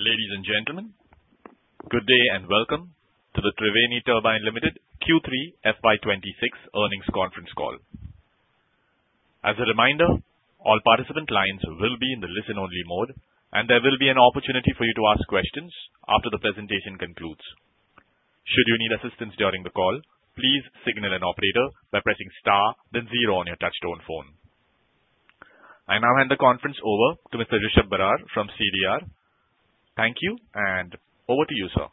Ladies and gentlemen, good day, and welcome to the Triveni Turbine Limited Q3 FY26 earnings conference call. As a reminder, all participant lines will be in the listen-only mode, and there will be an opportunity for you to ask questions after the presentation concludes. Should you need assistance during the call, please signal an operator by pressing star, then zero on your touchtone phone. I now hand the conference over to Mr. Rishabh Barar from CDR. Thank you, and over to you, sir.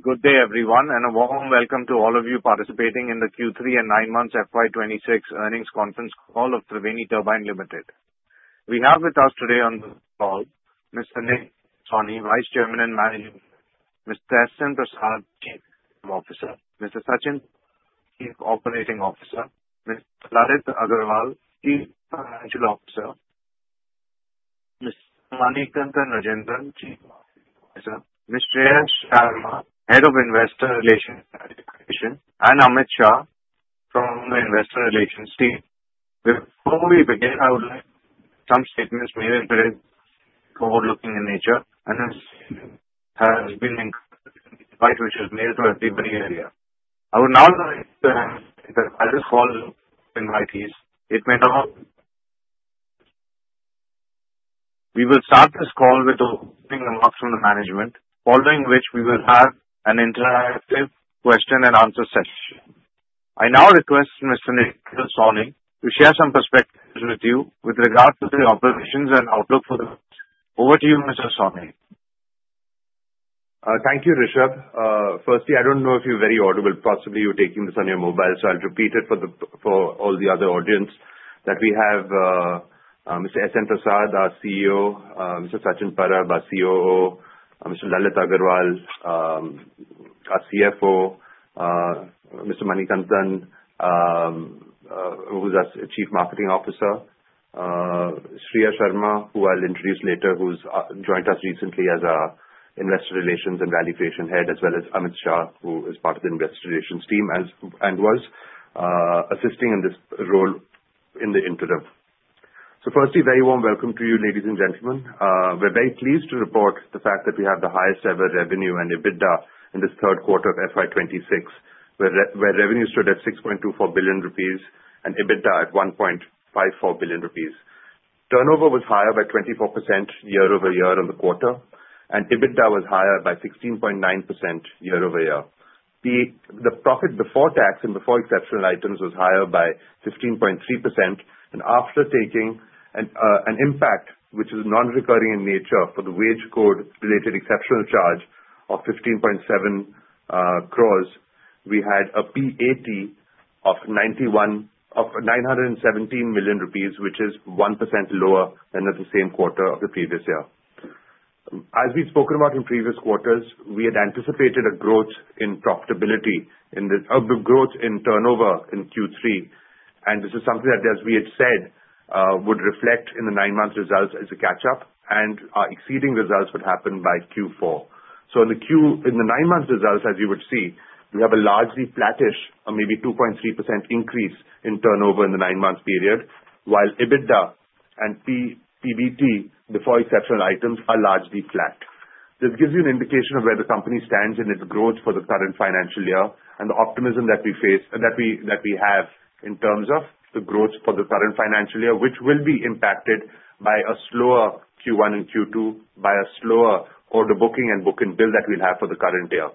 Good day, everyone, and a warm welcome to all of you participating in the Q3 and nine months FY 2026 earnings conference call of Triveni Turbine Ltd. We have with us today on this call Mr. Nikhil Sawhney, Vice Chairman and Managing Director; Mr. S. N. Prasad, Chief Executive Officer; Mr. Sachin Parab, Chief Operating Officer; Mr. Lalit Agarwal, Chief Financial Officer; Mr. Manikantan Rajendran, Chief Marketing Officer; Ms. Shreya Sharma, Head of Investor Relations and Valuation; and Amit Shah from the Investor Relations team. Before we begin, I would like some statements made that is forward-looking in nature and has been included, which is made to everybody area. I would now like to hand over this call to invitees. We will start this call with opening remarks from the management, following which we will have an interactive question-and-answer session. I now request Mr. Nikhil Sawhney to share some perspectives with you with regards to the operations and outlook for the future. Over to you, Mr. Sawhney. Thank you, Rishabh. Firstly, I don't know if you're very audible. Possibly you're taking this on your mobile, so I'll repeat it for all the other audience that we have, Mr. S. N. Prasad, our CEO, Mr. Sachin Parab, our COO, Mr. Lalit Agarwal, our CFO, Mr. Manikantan, who is our Chief Marketing Officer, Shreya Sharma, who I'll introduce later, who's joined us recently as our Investor Relations and Valuation Head, as well as Amit Shah, who is part of the Investor Relations team and was assisting in this role in the interim. So firstly, a very warm welcome to you, ladies and gentlemen. We're very pleased to report the fact that we have the highest ever revenue and EBITDA in this third quarter of FY 2026, where revenue stood at 6.24 billion rupees and EBITDA at 1.54 billion rupees. Turnover was higher by 24% year-over-year on the quarter, and EBITDA was higher by 16.9% year-over-year. The profit before tax and before exceptional items was higher by 15.3%, and after taking an impact, which is non-recurring in nature for the wage code-related exceptional charge of 15.7 crore, we had a PAT of 917 million rupees, which is 1% lower than at the same quarter of the previous year. As we've spoken about in previous quarters, we had anticipated a growth in profitability in the growth in turnover in Q3, and this is something that, as we had said, would reflect in the nine-month results as a catch-up and, exceeding results would happen by Q4. In the nine-month results, as you would see, we have a largely flattish or maybe 2.3% increase in turnover in the nine-month period, while EBITDA and PBT, before exceptional items, are largely flat. This gives you an indication of where the company stands in its growth for the current financial year and the optimism that we face, that we have in terms of the growth for the current financial year, which will be impacted by a slower Q1 and Q2, by a slower order booking and book and bill that we'll have for the current year.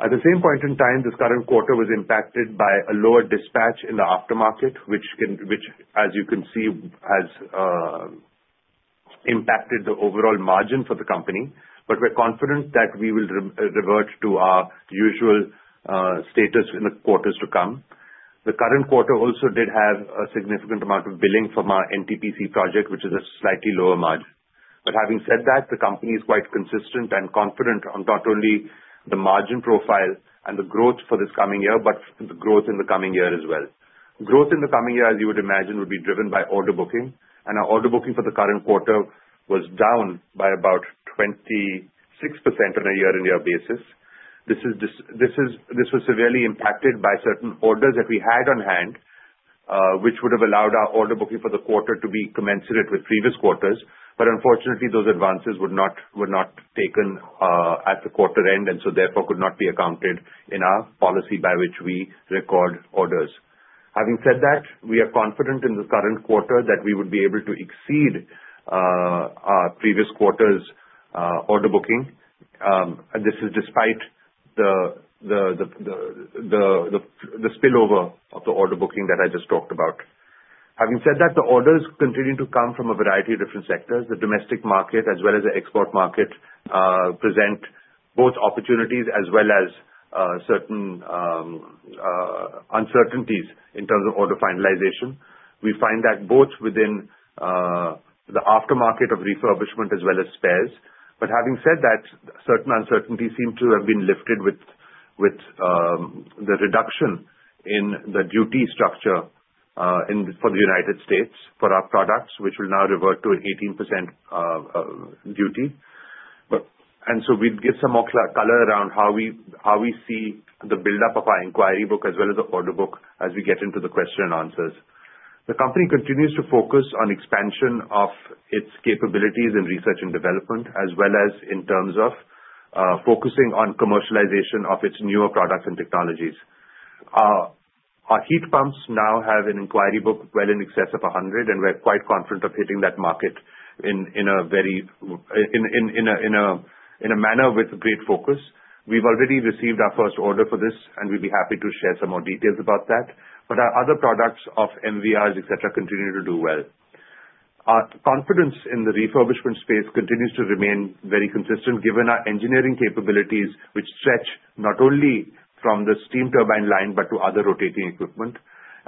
At the same point in time, this current quarter was impacted by a lower dispatch in the Aftermarket, which, as you can see, has impacted the overall margin for the company. But we're confident that we will revert to our usual status in the quarters to come. The current quarter also did have a significant amount of billing from our NTPC project, which is a slightly lower margin. But having said that, the company is quite consistent and confident on not only the margin profile and the growth for this coming year, but the growth in the coming year as well. Growth in the coming year, as you would imagine, would be driven by order booking, and our order booking for the current quarter was down by about 26% on a year-on-year basis. This is just, this is, this was severely impacted by certain orders that we had on hand, which would have allowed our order booking for the quarter to be commensurate with previous quarters. But unfortunately, those advances were not, were not taken, at the quarter end, and so therefore could not be accounted in our policy by which we record orders. Having said that, we are confident in the current quarter that we would be able to exceed our previous quarter's order booking. And this is despite the spillover of the order booking that I just talked about. Having said that, the orders continue to come from a variety of different sectors. The domestic market as well as the export market present both opportunities as well as certain uncertainties in terms of order finalization. We find that both within the aftermarket of refurbishment as well as spares. But having said that, certain uncertainties seem to have been lifted with the reduction in the duty structure in for the United States for our products, which will now revert to an 18% duty. But and so we'll give some more color around how we see the buildup of our inquiry book, as well as the order book, as we get into the question and answers. The company continues to focus on expansion of its capabilities in research and development, as well as in terms of focusing on commercialization of its newer products and technologies. Our heat pumps now have an inquiry book well in excess of 100, and we're quite confident of hitting that market in a very manner with great focus. We've already received our first order for this, and we'll be happy to share some more details about that. But our other products of MVRs, et cetera, continue to do well. Our confidence in the refurbishment space continues to remain very consistent, given our engineering capabilities, which stretch not only from the steam turbine line, but to other rotating equipment.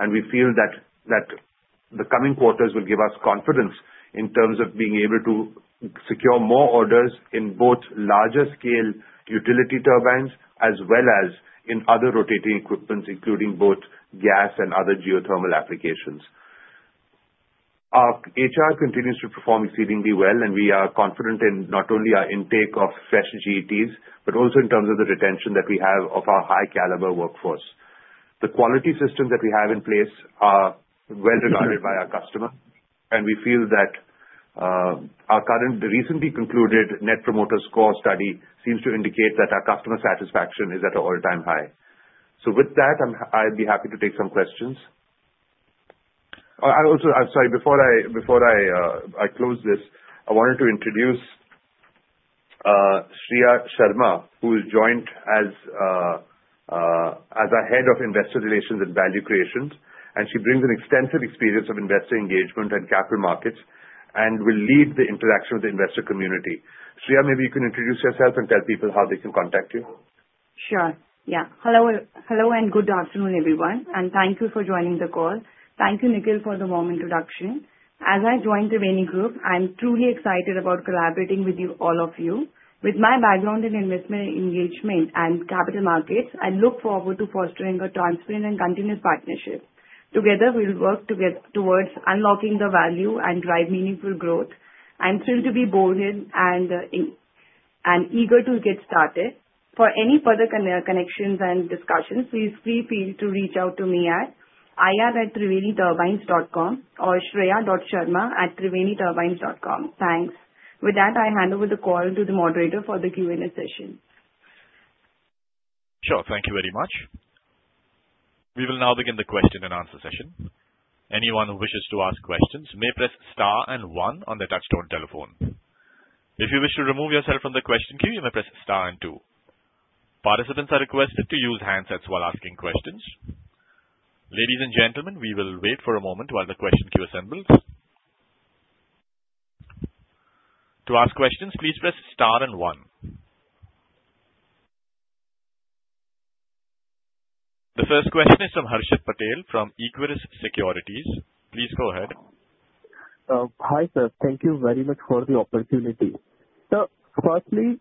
We feel that the coming quarters will give us confidence in terms of being able to secure more orders in both larger scale utility turbines, as well as in other rotating equipments, including both gas and other geothermal applications. Our HR continues to perform exceedingly well, and we are confident in not only our intake of fresh GTs, but also in terms of the retention that we have of our high caliber workforce. The quality system that we have in place are well regarded by our customer, and we feel that the recently concluded Net Promoter Score study seems to indicate that our customer satisfaction is at an all-time high. So with that, I would be happy to take some questions. And also, I'm sorry, before I close this, I wanted to introduce Shreya Sharma, who has joined as our Head of Investor Relations and Valuation. And she brings an extensive experience of investor engagement and capital markets, and will lead the interaction with the investor community. Shreya, maybe you can introduce yourself and tell people how they can contact you. Sure. Yeah. Hello, hello, and good afternoon, everyone, and thank you for joining the call. Thank you, Nikhil, for the warm introduction. As I join Triveni Group, I'm truly excited about collaborating with you, all of you. With my background in investment engagement and capital markets, I look forward to fostering a transparent and continuous partnership. Together, we will work together towards unlocking the value and drive meaningful growth. I'm thrilled to be on board and, I'm eager to get started. For any further connections and discussions, please feel free to reach out to me at ir@triveniturbines.com or shreya.sharma@triveniturbines.com. Thanks. With that, I hand over the call to the moderator for the Q&A session. Sure. Thank you very much. We will now begin the question-and-answer session. Anyone who wishes to ask questions may press star and one on their touchtone telephone. If you wish to remove yourself from the question queue, you may press star and two. Participants are requested to use handsets while asking questions. Ladies and gentlemen, we will wait for a moment while the question queue assembles. To ask questions, please press star and one. The first question is from Harshit Patel, from Equirus Securities. Please go ahead. Hi, sir. Thank you very much for the opportunity. So firstly,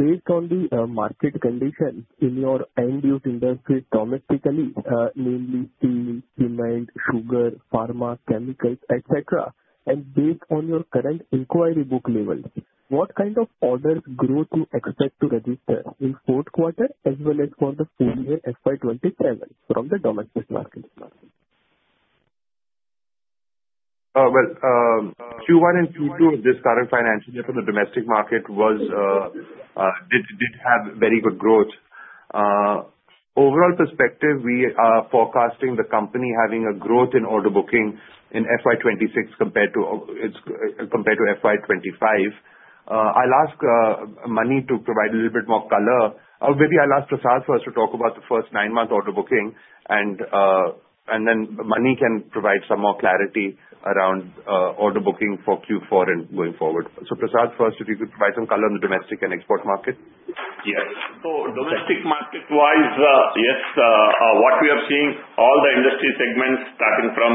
based on the market conditions in your end-use industry domestically, namely steel, cement, sugar, pharma, chemicals, et cetera, and based on your current inquiry book level, what kind of orders growth you expect to register in fourth quarter, as well as for the full year, FY 2027 from the domestic market? Well, Q1 and Q2 of this current financial year from the domestic market was, did have very good growth. Overall perspective, we are forecasting the company having a growth in order booking in FY 2026 compared to its compared to FY 2025. I'll ask Mani to provide a little bit more color. Or maybe I'll ask Prasad first to talk about the first nine-month order booking, and then Mani can provide some more clarity around order booking for Q4 and going forward. So, Prasad, first, if you could provide some color on the domestic and export market. Yes. So domestic market-wise, yes, what we have seen, all the industry segments starting from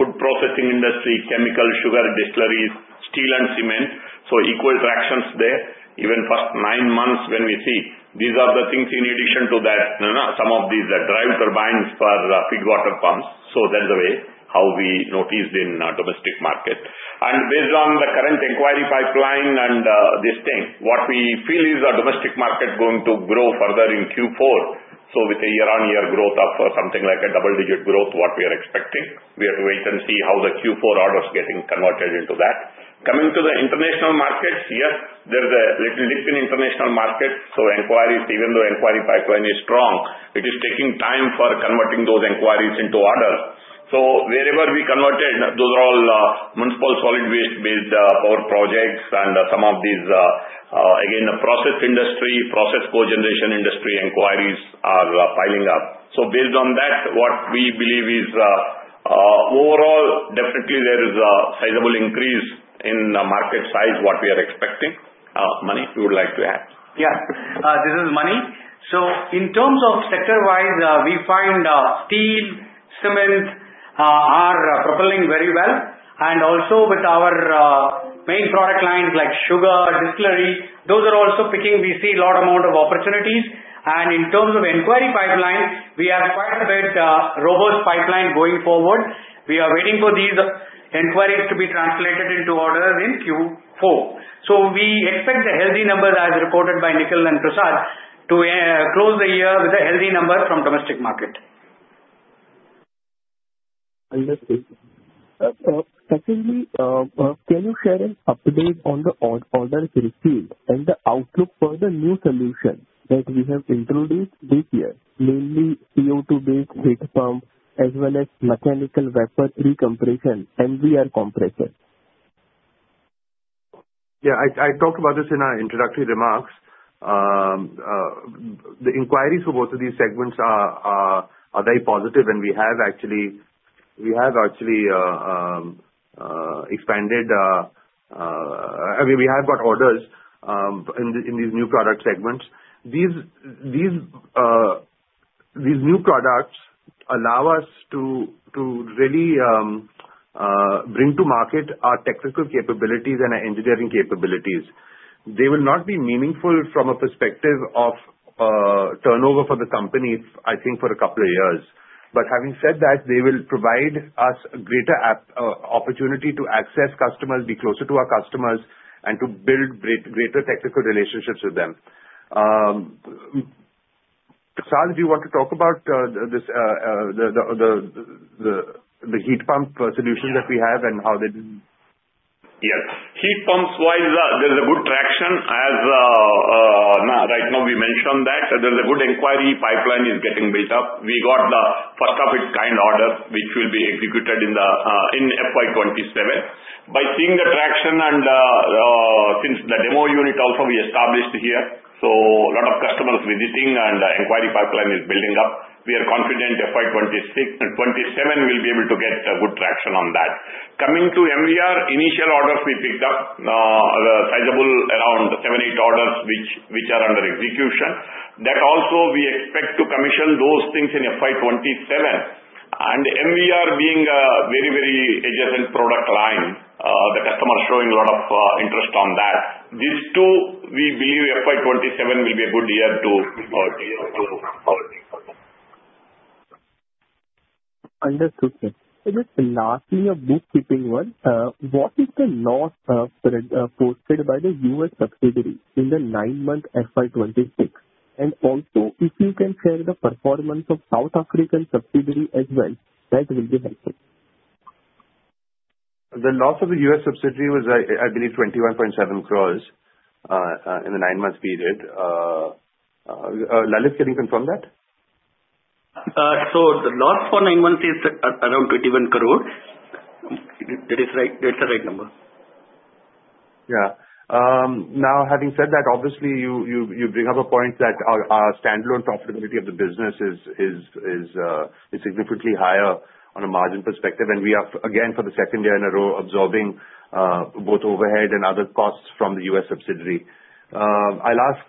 food processing industry, chemical, sugar, distilleries, steel and cement, so equal fractions there. Even first nine months when we see, these are the things in addition to that, some of these, the drive turbines for feed water pumps. So that's the way how we noticed in domestic market. And based on the current inquiry pipeline and this thing, what we feel is our domestic market going to grow further in Q4. So with a year-on-year growth of something like a double-digit growth, what we are expecting. We have to wait and see how the Q4 orders getting converted into that. Coming to the international markets, yes, there is a little dip in international markets, so inquiries, even though inquiry pipeline is strong, it is taking time for converting those inquiries into orders. So wherever we converted, those are all, municipal solid waste-based, power projects and some of these, again, process industry, process cogeneration industry inquiries are, piling up. So based on that, what we believe is, overall, definitely there is a sizable increase in the market size, what we are expecting. Mani, you would like to add? Yeah. This is Mani. So in terms of sector-wise, we find steel, cement are propelling very well, and also with our main product lines like sugar, distilleries, those are also picking. We see a lot amount of opportunities. In terms of inquiry pipeline, we have quite a bit robust pipeline going forward. We are waiting for these inquiries to be translated into orders in Q4. So we expect a healthy number, as reported by Nikhil and Prasad to close the year with a healthy number from domestic market. Understood. Secondly, can you share an update on the orders received and the outlook for the new solution that we have introduced this year, mainly CO2-based heat pump, as well as mechanical vapor recompression and MVR compressors? Yeah, I talked about this in our introductory remarks. The inquiries for both of these segments are very positive, and we have actually expanded. I mean, we have got orders in these new product segments. These new products allow us to really bring to market our technical capabilities and our engineering capabilities. They will not be meaningful from a perspective of turnover for the company, I think, for a couple of years. But having said that, they will provide us greater opportunity to access customers, be closer to our customers, and to build greater technical relationships with them. Prasad, do you want to talk about the heat pump solutions that we have and how they did? Yes. Heat pumps wise, there's a good traction as, right now we mentioned that. There's a good inquiry pipeline is getting built up. We got the first of its kind order, which will be executed in the, in FY 2027. By seeing the traction and, since the demo unit also we established here, so a lot of customers visiting and inquiry pipeline is building up, we are confident FY 2026 and 2027, we'll be able to get a good traction on that. Coming to MVR, initial orders we picked up, are sizable around 7-8 orders, which, which are under execution. That also we expect to commission those things in FY 2027. And MVR being a very, very adjacent product line, the customer is showing a lot of, interest on that. These two, we believe FY 2027 will be a good year too. Understood, sir. Then lastly, a bookkeeping one. What is the loss posted by the U.S. subsidiary in the nine-month FY 2026? Also, if you can share the performance of South African subsidiary as well, that will be helpful. The loss of the U.S. subsidiary was, I believe, 21.7 crore in the nine-month period. Lalit, can you confirm that? The loss for nine months is around 21 crore. It is right, that's the right number. Yeah. Now, having said that, obviously, you bring up a point that our standalone profitability of the business is significantly higher on a margin perspective. And we are, again, for the second year in a row, absorbing both overhead and other costs from the U.S. subsidiary. I'll ask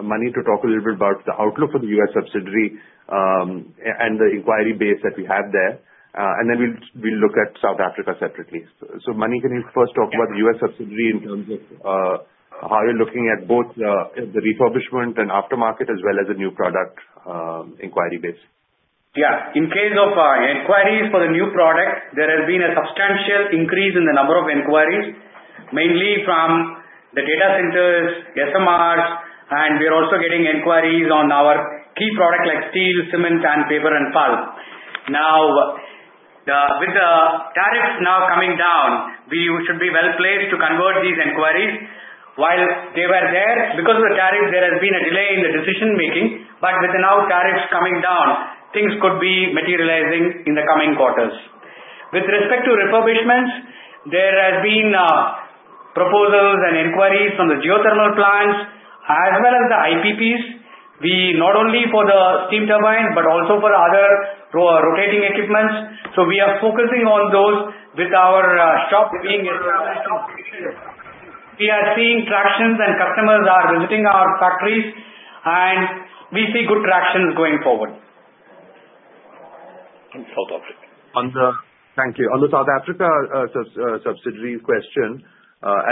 Mani to talk a little bit about the outlook for the U.S, subsidiary, and the inquiry base that we have there. And then we'll look at South Africa separately. So, Mani, can you first talk about the U.S. subsidiary in terms of how you're looking at both the refurbishment and aftermarket, as well as the new product inquiry base? Yeah. In case of inquiries for the new product, there has been a substantial increase in the number of inquiries, mainly from the data centers, SMRs, and we are also getting inquiries on our key products like steel, cement, and paper and pulp. Now, with the tariffs now coming down, we should be well placed to convert these inquiries. While they were there, because of the tariffs, there has been a delay in the decision-making, but with the now tariffs coming down, things could be materializing in the coming quarters. With respect to refurbishments, there has been proposals and inquiries from the geothermal plants as well as the IPPs. We not only for the steam turbine, but also for other rotating equipment. So we are focusing on those with our shop being. We are seeing traction and customers are visiting our factories, and we see good traction going forward. South Africa. On the- Thank you. On the South Africa subsidiary question,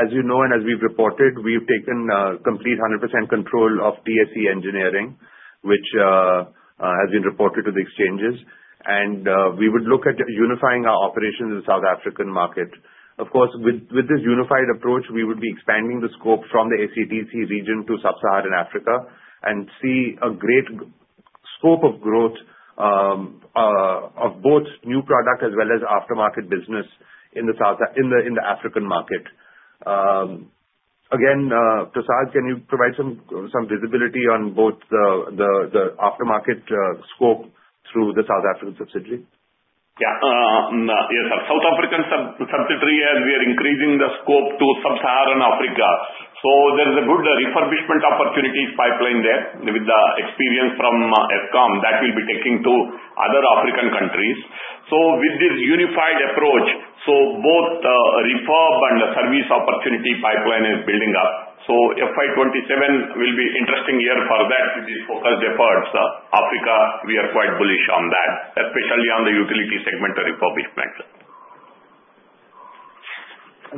as you know and as we've reported, we've taken complete 100% control of TSE Engineering, which has been reported to the exchanges. And we would look at unifying our operations in the South African market. Of course, with this unified approach, we would be expanding the scope from the SADC region to Sub-Saharan Africa and see a great scope of growth of both new product as well as aftermarket business in the African market. Again, Prasad, can you provide some visibility on both the aftermarket scope through the South African subsidiary? Yeah. South African subsidiary, as we are increasing the scope to Sub-Saharan Africa. So there's a good refurbishment opportunities pipeline there with the experience from Eskom that we'll be taking to other African countries. So with this unified approach, so both the refurb and the service opportunity pipeline is building up. So FY 2027 will be interesting year for that with the focused efforts. Africa, we are quite bullish on that, especially on the utility segment of refurbishment.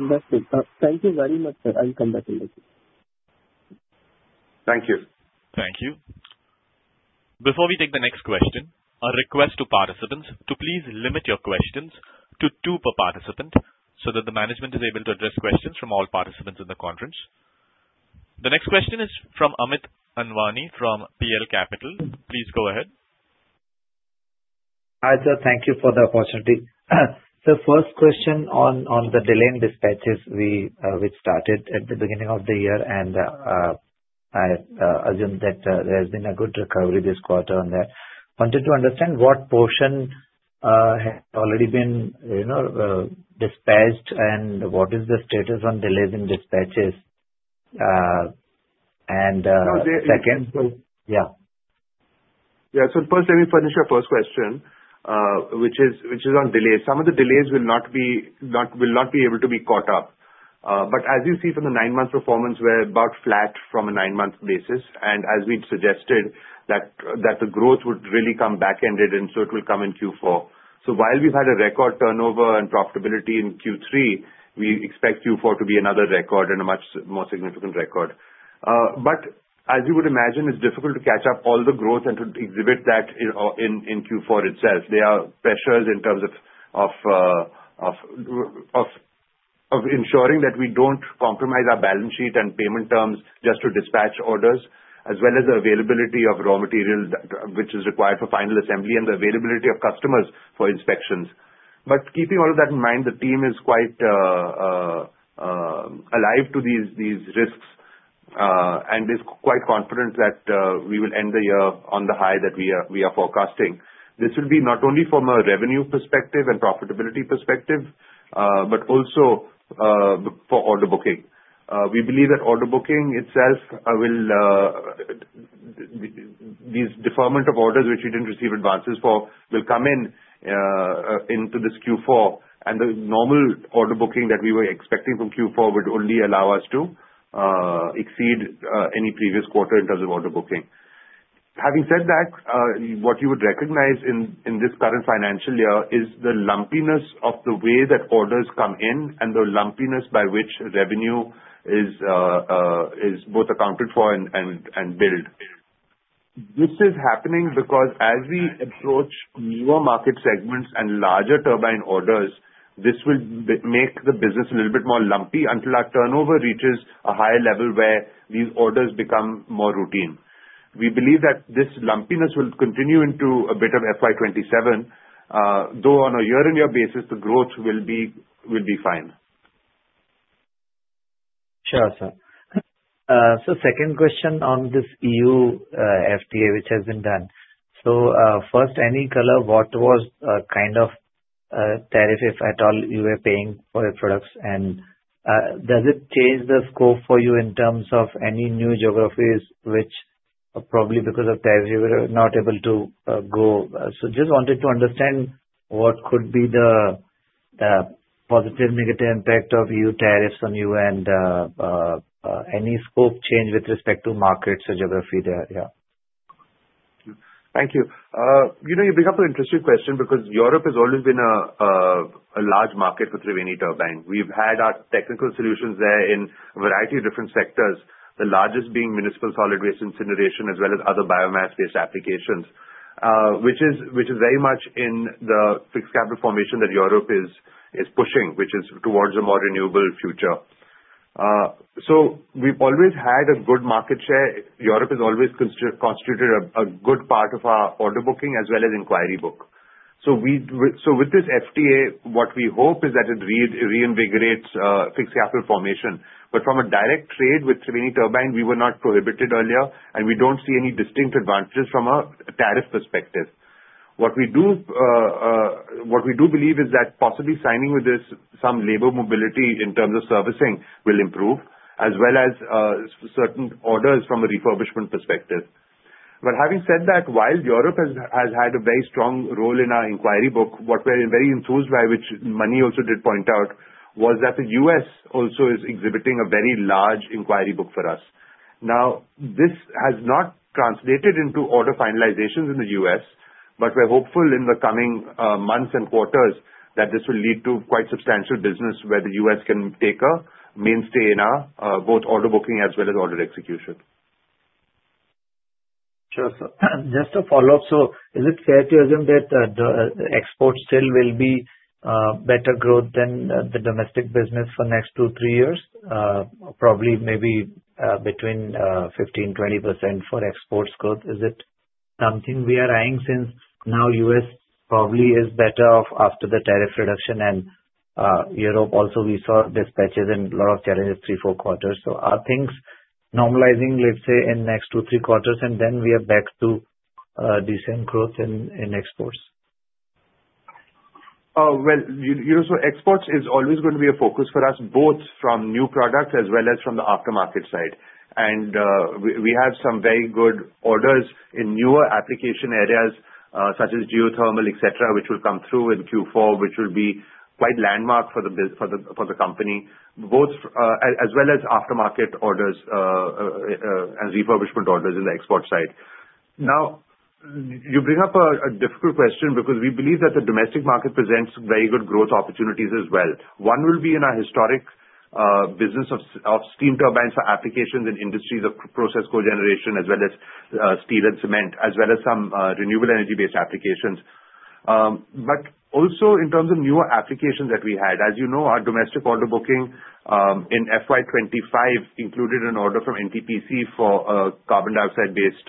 Understood. Thank you very much, sir. I'll come back in touch. Thank you. Thank you. Before we take the next question, a request to participants to please limit your questions to two per participant, so that the management is able to address questions from all participants in the conference. The next question is from Amit Anwani from PL Capital. Please go ahead. Hi, sir. Thank you for the opportunity. So first question on the delayed dispatches we, which started at the beginning of the year, and, I, assume that, there has been a good recovery this quarter on that. Wanted to understand what portion, has already been, you know, dispatched, and what is the status on delays in dispatches? And, second- Yeah. Yeah. Yeah, so first, let me finish your first question, which is on delays. Some of the delays will not be able to be caught up. But as you see from the nine-month performance, we're about flat from a nine-month basis, and as we've suggested, that the growth would really come back-ended, and so it will come in Q4. So while we've had a record turnover and profitability in Q3, we expect Q4 to be another record and a much more significant record. But as you would imagine, it's difficult to catch up all the growth and to exhibit that in Q4 itself. There are pressures in terms of ensuring that we don't compromise our balance sheet and payment terms just to dispatch orders, as well as the availability of raw materials, which is required for final assembly, and the availability of customers for inspections. But keeping all of that in mind, the team is quite alive to these risks, and is quite confident that we will end the year on the high that we are forecasting. This will be not only from a revenue perspective and profitability perspective, but also for order booking. We believe that order booking itself will the deferment of orders, which we didn't receive advances for, will come in into this Q4. The normal order booking that we were expecting from Q4 would only allow us to exceed any previous quarter in terms of order booking. Having said that, what you would recognize in this current financial year is the lumpiness of the way that orders come in and the lumpiness by which revenue is both accounted for and billed. This is happening because as we approach newer market segments and larger turbine orders, this will make the business a little bit more lumpy until our turnover reaches a higher level where these orders become more routine. We believe that this lumpiness will continue into a bit of FY 2027, though on a year-on-year basis, the growth will be fine. Sure, sir. So second question on this EU FTA, which has been done. So first, any color, what was kind of tariff, if at all, you were paying for your products? And does it change the scope for you in terms of any new geographies, which are probably because of tariff, you were not able to go? So just wanted to understand what could be the positive, negative impact of EU tariffs on you and any scope change with respect to markets or geography there, yeah. Thank you. You know, you bring up an interesting question because Europe has always been a large market for Triveni Turbine. We've had our technical solutions there in a variety of different sectors, the largest being municipal solid waste incineration, as well as other biomass-based applications. Which is very much in the fixed capital formation that Europe is pushing, which is towards a more renewable future. So we've always had a good market share. Europe has always constituted a good part of our order booking as well as inquiry book. So with this FTA, what we hope is that it reinvigorates fixed capital formation. But from a direct trade with Triveni Turbine, we were not prohibited earlier, and we don't see any distinct advantages from a tariff perspective. What we do, what we do believe is that possibly signing with this, some labor mobility in terms of servicing will improve, as well as, certain orders from a refurbishment perspective. But having said that, while Europe has had a very strong role in our inquiry book, what we're very enthused by, which Mani also did point out, was that the U.S. also is exhibiting a very large inquiry book for us. Now, this has not translated into order finalizations in the U.S., but we're hopeful in the coming months and quarters that this will lead to quite substantial business, where the U.S. can take a mainstay in our both order booking as well as order execution. Sure, sir. Just a follow-up: so is it fair to assume that the export still will be better growth than the domestic business for next two, three years? Probably maybe between 15%-20% for exports growth. Is it something we are eyeing, since now U.S. probably is better off after the tariff reduction, and Europe also, we saw dispatches and lot of challenges three to four quarters. So are things normalizing, let's say, in next two, three quarters, and then we are back to decent growth in exports? Well, you know, so exports is always going to be a focus for us, both from new Products as well as from the Aftermarket side. We have some very good orders in newer application areas, such as geothermal, et cetera, which will come through in Q4, which will be quite landmark for the company, both as well as Aftermarket orders, and refurbishment orders in the export side. Now, you bring up a difficult question because we believe that the domestic market presents very good growth opportunities as well. One will be in our historic business of steam turbines for applications in industries of process cogeneration as well as steel and cement, as well as some renewable energy-based applications. But also in terms of newer applications that we had, as you know, our domestic order booking in FY 2025 included an order from NTPC for a carbon dioxide-based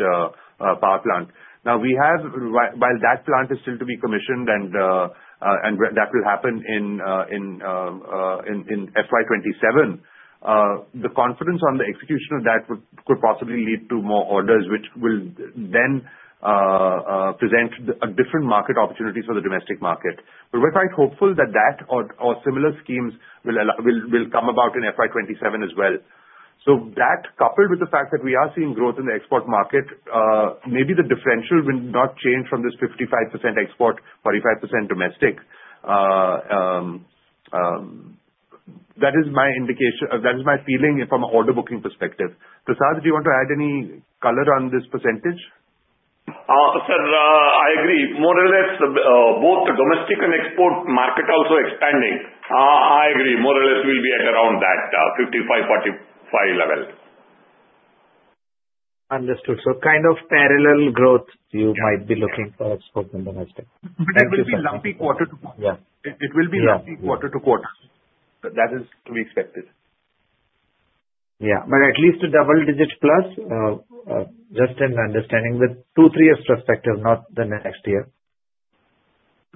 power plant. Now, we have, while that plant is still to be commissioned and that will happen in FY 2027, the confidence on the execution of that would, could possibly lead to more orders, which will then present a different market opportunity for the domestic market. But we're quite hopeful that that or similar schemes will come about in FY 2027 as well. So that, coupled with the fact that we are seeing growth in the export market, maybe the differential will not change from this 55% export, 45% domestic. That is my indication, that is my feeling from an order booking perspective. Prasad, do you want to add any color on this percentage? Sir, I agree. More or less, both the domestic and export market also expanding. I agree, more or less we'll be at around that, 55%, 45% level. Understood. So kind of parallel growth you might be looking for export and domestic. It will be lumpy quarter to quarter. Yeah. It will be. Yeah, yeah. Lumpy quarter to quarter. But that is to be expected. Yeah, but at least a double-digit plus, just in understanding with a two, three years perspective, not the next year.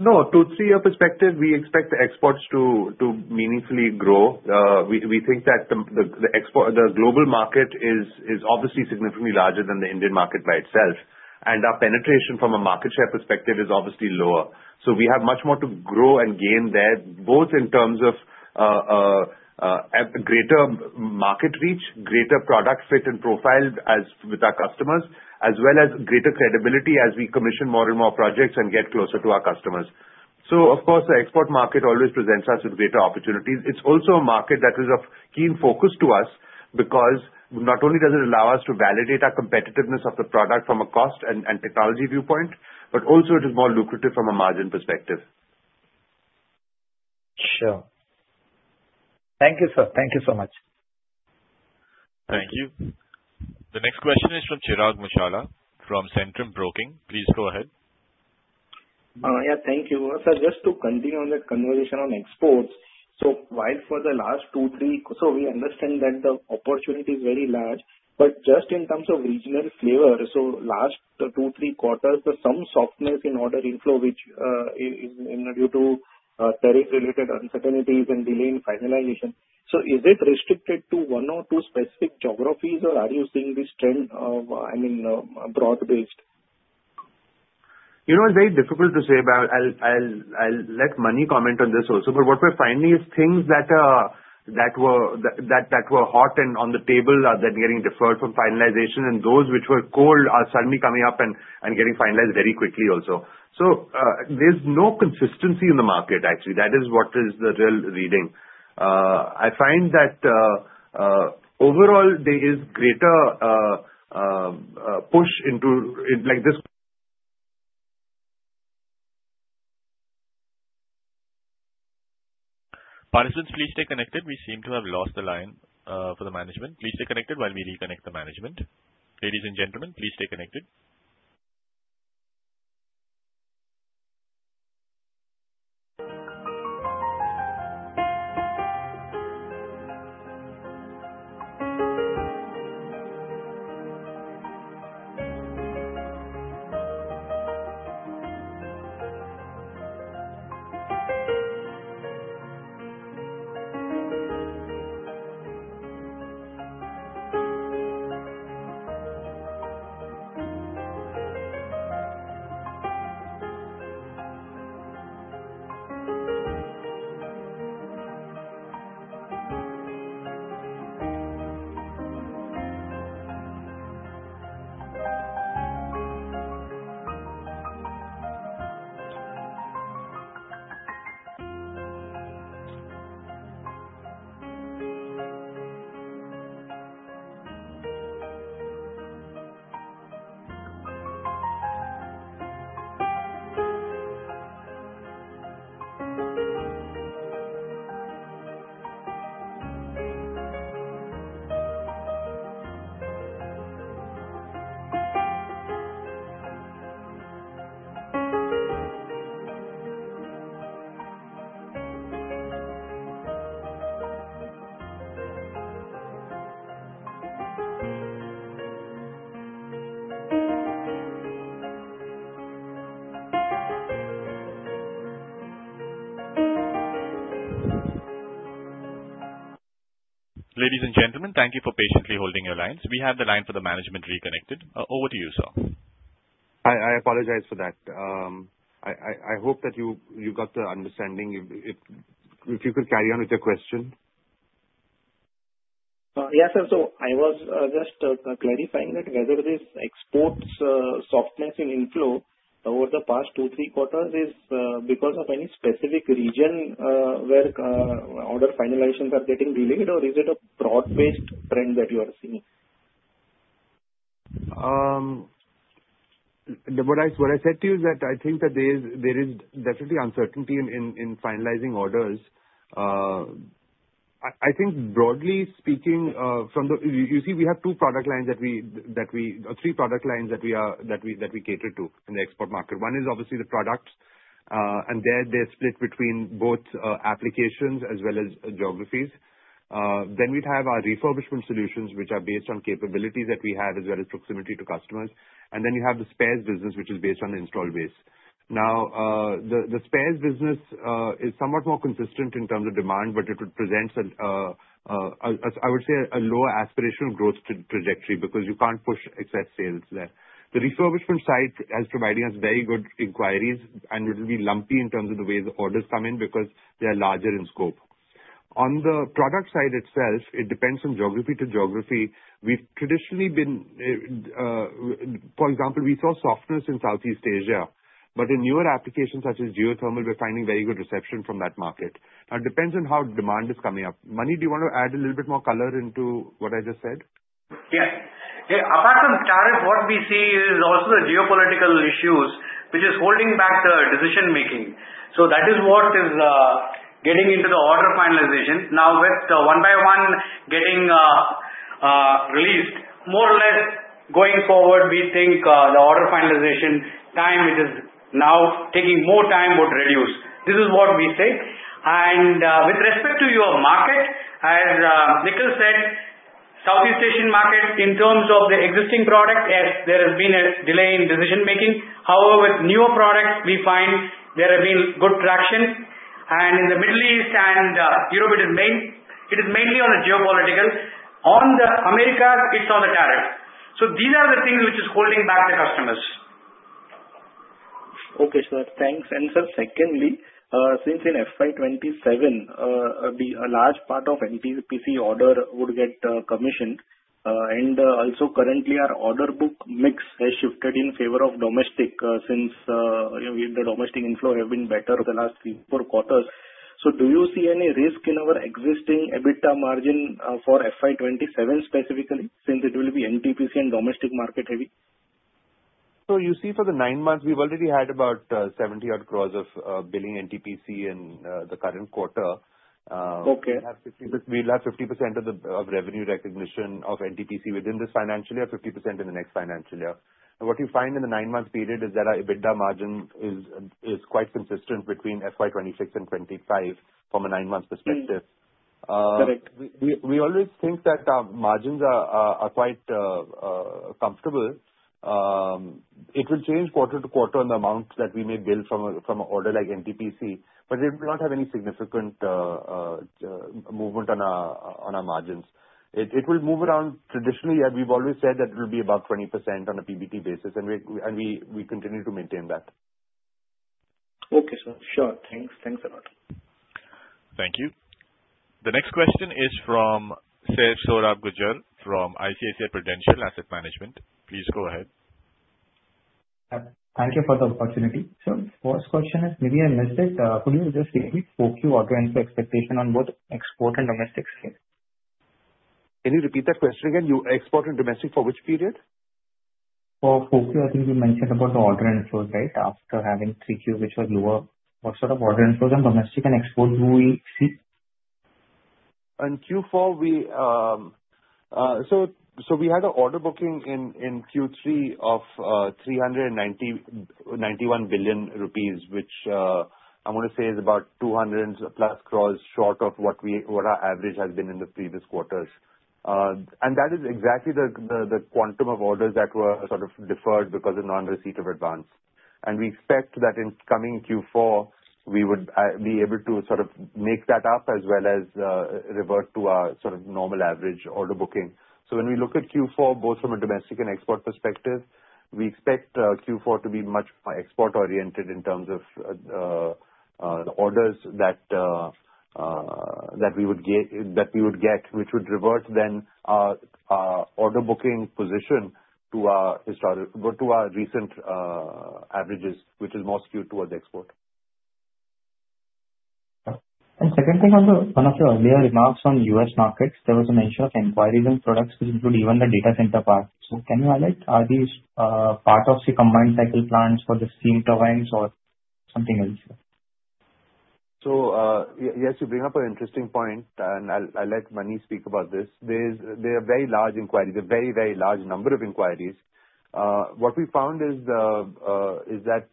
No, two, three-year perspective, we expect the exports to meaningfully grow. We think that the export, the global market is obviously significantly larger than the Indian market by itself, and our penetration from a market share perspective is obviously lower. So we have much more to grow and gain there, both in terms of a greater market reach, greater product fit and profile as with our customers, as well as greater credibility as we commission more and more projects and get closer to our customers. So of course, the export market always presents us with greater opportunities. It's also a market that is of keen focus to us, because not only does it allow us to validate our competitiveness of the product from a cost and technology viewpoint, but also it is more lucrative from a margin perspective. Sure. Thank you, sir. Thank you so much. Thank you. The next question is from Chirag Muchhala from Centrum Broking. Please go ahead. Yeah, thank you. Sir, just to continue on the conversation on exports, so while for the last two, three... So we understand that the opportunity is very large, but just in terms of regional flavor, so last two, three quarters, there's some softness in order inflow, which is due to tariff-related uncertainties and delay in finalization. So is it restricted to one or two specific geographies, or are you seeing this trend, I mean, broad-based? You know, it's very difficult to say, but I'll let Mani comment on this also. But what we're finding is things that were hot and on the table are then getting deferred from finalization, and those which were cold are suddenly coming up and getting finalized very quickly also. So, there's no consistency in the market, actually. That is what is the real reading. I find that overall, there is greater push into it, like, this- Participants, please stay connected. We seem to have lost the line for the management. Please stay connected while we reconnect the management. Ladies and gentlemen, please stay connected. Ladies and gentlemen, thank you for patiently holding your lines. We have the line for the management reconnected. Over to you, sir. I apologize for that. I hope that you got the understanding. If you could carry on with your question? Yes, sir. So I was just clarifying that whether this exports softness in inflow over the past two, three quarters is because of any specific region where order finalizations are getting delayed, or is it a broad-based trend that you are seeing? What I said to you is that I think that there is definitely uncertainty in finalizing orders. I think broadly speaking, from the-- we have two product lines that we-- or three product lines that we cater to in the export market. One is obviously the products, and there they're split between both applications as well as geographies. Then we'd have our refurbishment solutions, which are based on capabilities that we have, as well as proximity to customers. And then you have the spares business, which is based on installed base. Now, the spares business is somewhat more consistent in terms of demand, but it would present, I would say, a lower aspirational growth trajectory, because you can't push excess sales there. The refurbishment side is providing us very good inquiries, and it will be lumpy in terms of the way the orders come in, because they are larger in scope. On the product side itself, it depends from geography to geography. We've traditionally been. For example, we saw softness in Southeast Asia, but in newer applications such as geothermal, we're finding very good reception from that market. It depends on how demand is coming up. Mani, do you want to add a little bit more color into what I just said? Yes. Yeah, apart from tariff, what we see is also the geopolitical issues, which is holding back the decision making. So that is what is getting into the order finalization. Now, with one by one getting released, more or less going forward, we think the order finalization time, which is now taking more time, would reduce. This is what we say. And with respect to your market, as Nikhil said, Southeast Asian market, in terms of the existing product, yes, there has been a delay in decision making. However, with newer products, we find there have been good traction. And in the Middle East and Europe, it is mainly on the geopolitical. On the America, it's on the tariff. So these are the things which is holding back the customers. Okay, sir. Thanks. And sir, secondly, since in FY 2027, a large part of NTPC order would get commissioned, and also currently our order book mix has shifted in favor of domestic, since you know, the domestic inflow have been better the last three to four quarters. So do you see any risk in our existing EBITDA margin for FY 2027 specifically, since it will be NTPC and domestic market heavy? So you see, for the nine months, we've already had about 70 odd crore of billing NTPC in the current quarter. Okay. We'll have 50% of the revenue recognition of NTPC within this financial year, 50% in the next financial year. What you find in the nine-month period is that our EBITDA margin is quite consistent between FY 2026 and 2025, from a nine-month perspective. Mm. Correct. We always think that our margins are quite comfortable. It will change quarter to quarter on the amounts that we may bill from an order like NTPC, but it will not have any significant movement on our margins. It will move around. Traditionally, yeah, we've always said that it will be above 20% on a PBT basis, and we continue to maintain that. Okay, sir. Sure. Thanks. Thanks a lot. Thank you. The next question is from Saif Sohrab Gujar from ICICI Prudential Asset Management. Please go ahead. Thank you for the opportunity. So first question is, maybe I missed it, could you just say the 4Q order and expectation on both export and domestic scale? Can you repeat that question again? Export and domestic for which period? For 4Q, I think you mentioned about the order inflows, right? After having 3Q, which was lower. What sort of order inflows on domestic and export do we see? In Q4, we had an order booking in Q3 of 391 crore rupees, which I want to say is about 200+ crore short of what our average has been in the previous quarters. That is exactly the quantum of orders that were sort of deferred because of non-receipt of advance. We expect that in coming Q4, we would be able to sort of make that up, as well as revert to our sort of normal average order booking. So when we look at Q4, both from a domestic and export perspective, we expect Q4 to be much more export-oriented in terms of the orders that we would get, which would revert then our order booking position to our historic, go to our recent averages, which is more skewed towards export. Second thing, on the one of your earlier remarks on U.S. markets, there was a mention of inquiries and products, which include even the data center part. So can you highlight, are these part of the combined cycle plans for the steam turbines or something else? So, yes, you bring up an interesting point, and I'll let Mani speak about this. There are very large inquiries, a very, very large number of inquiries. What we found is that,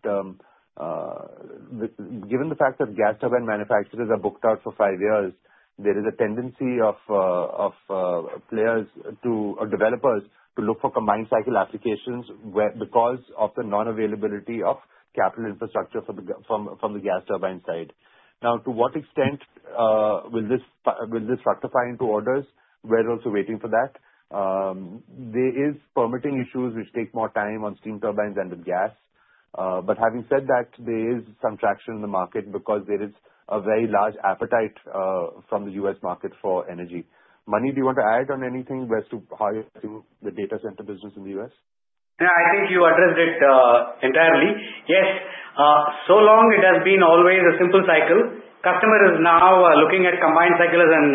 given the fact that gas turbine manufacturers are booked out for five years, there is a tendency of players or developers to look for combined cycle applications where, because of the non-availability of capital infrastructure from the gas turbine side. Now, to what extent will this fructify into orders? We're also waiting for that. There is permitting issues which take more time on steam turbines than with gas. But having said that, there is some traction in the market because there is a very large appetite from the U.S. market for energy. Mani, do you want to add on anything as to how you see the data center business in the U.S.? Yeah, I think you addressed it, entirely. Yes, so long it has been always a simple cycle. Customer is now looking at combined cycles and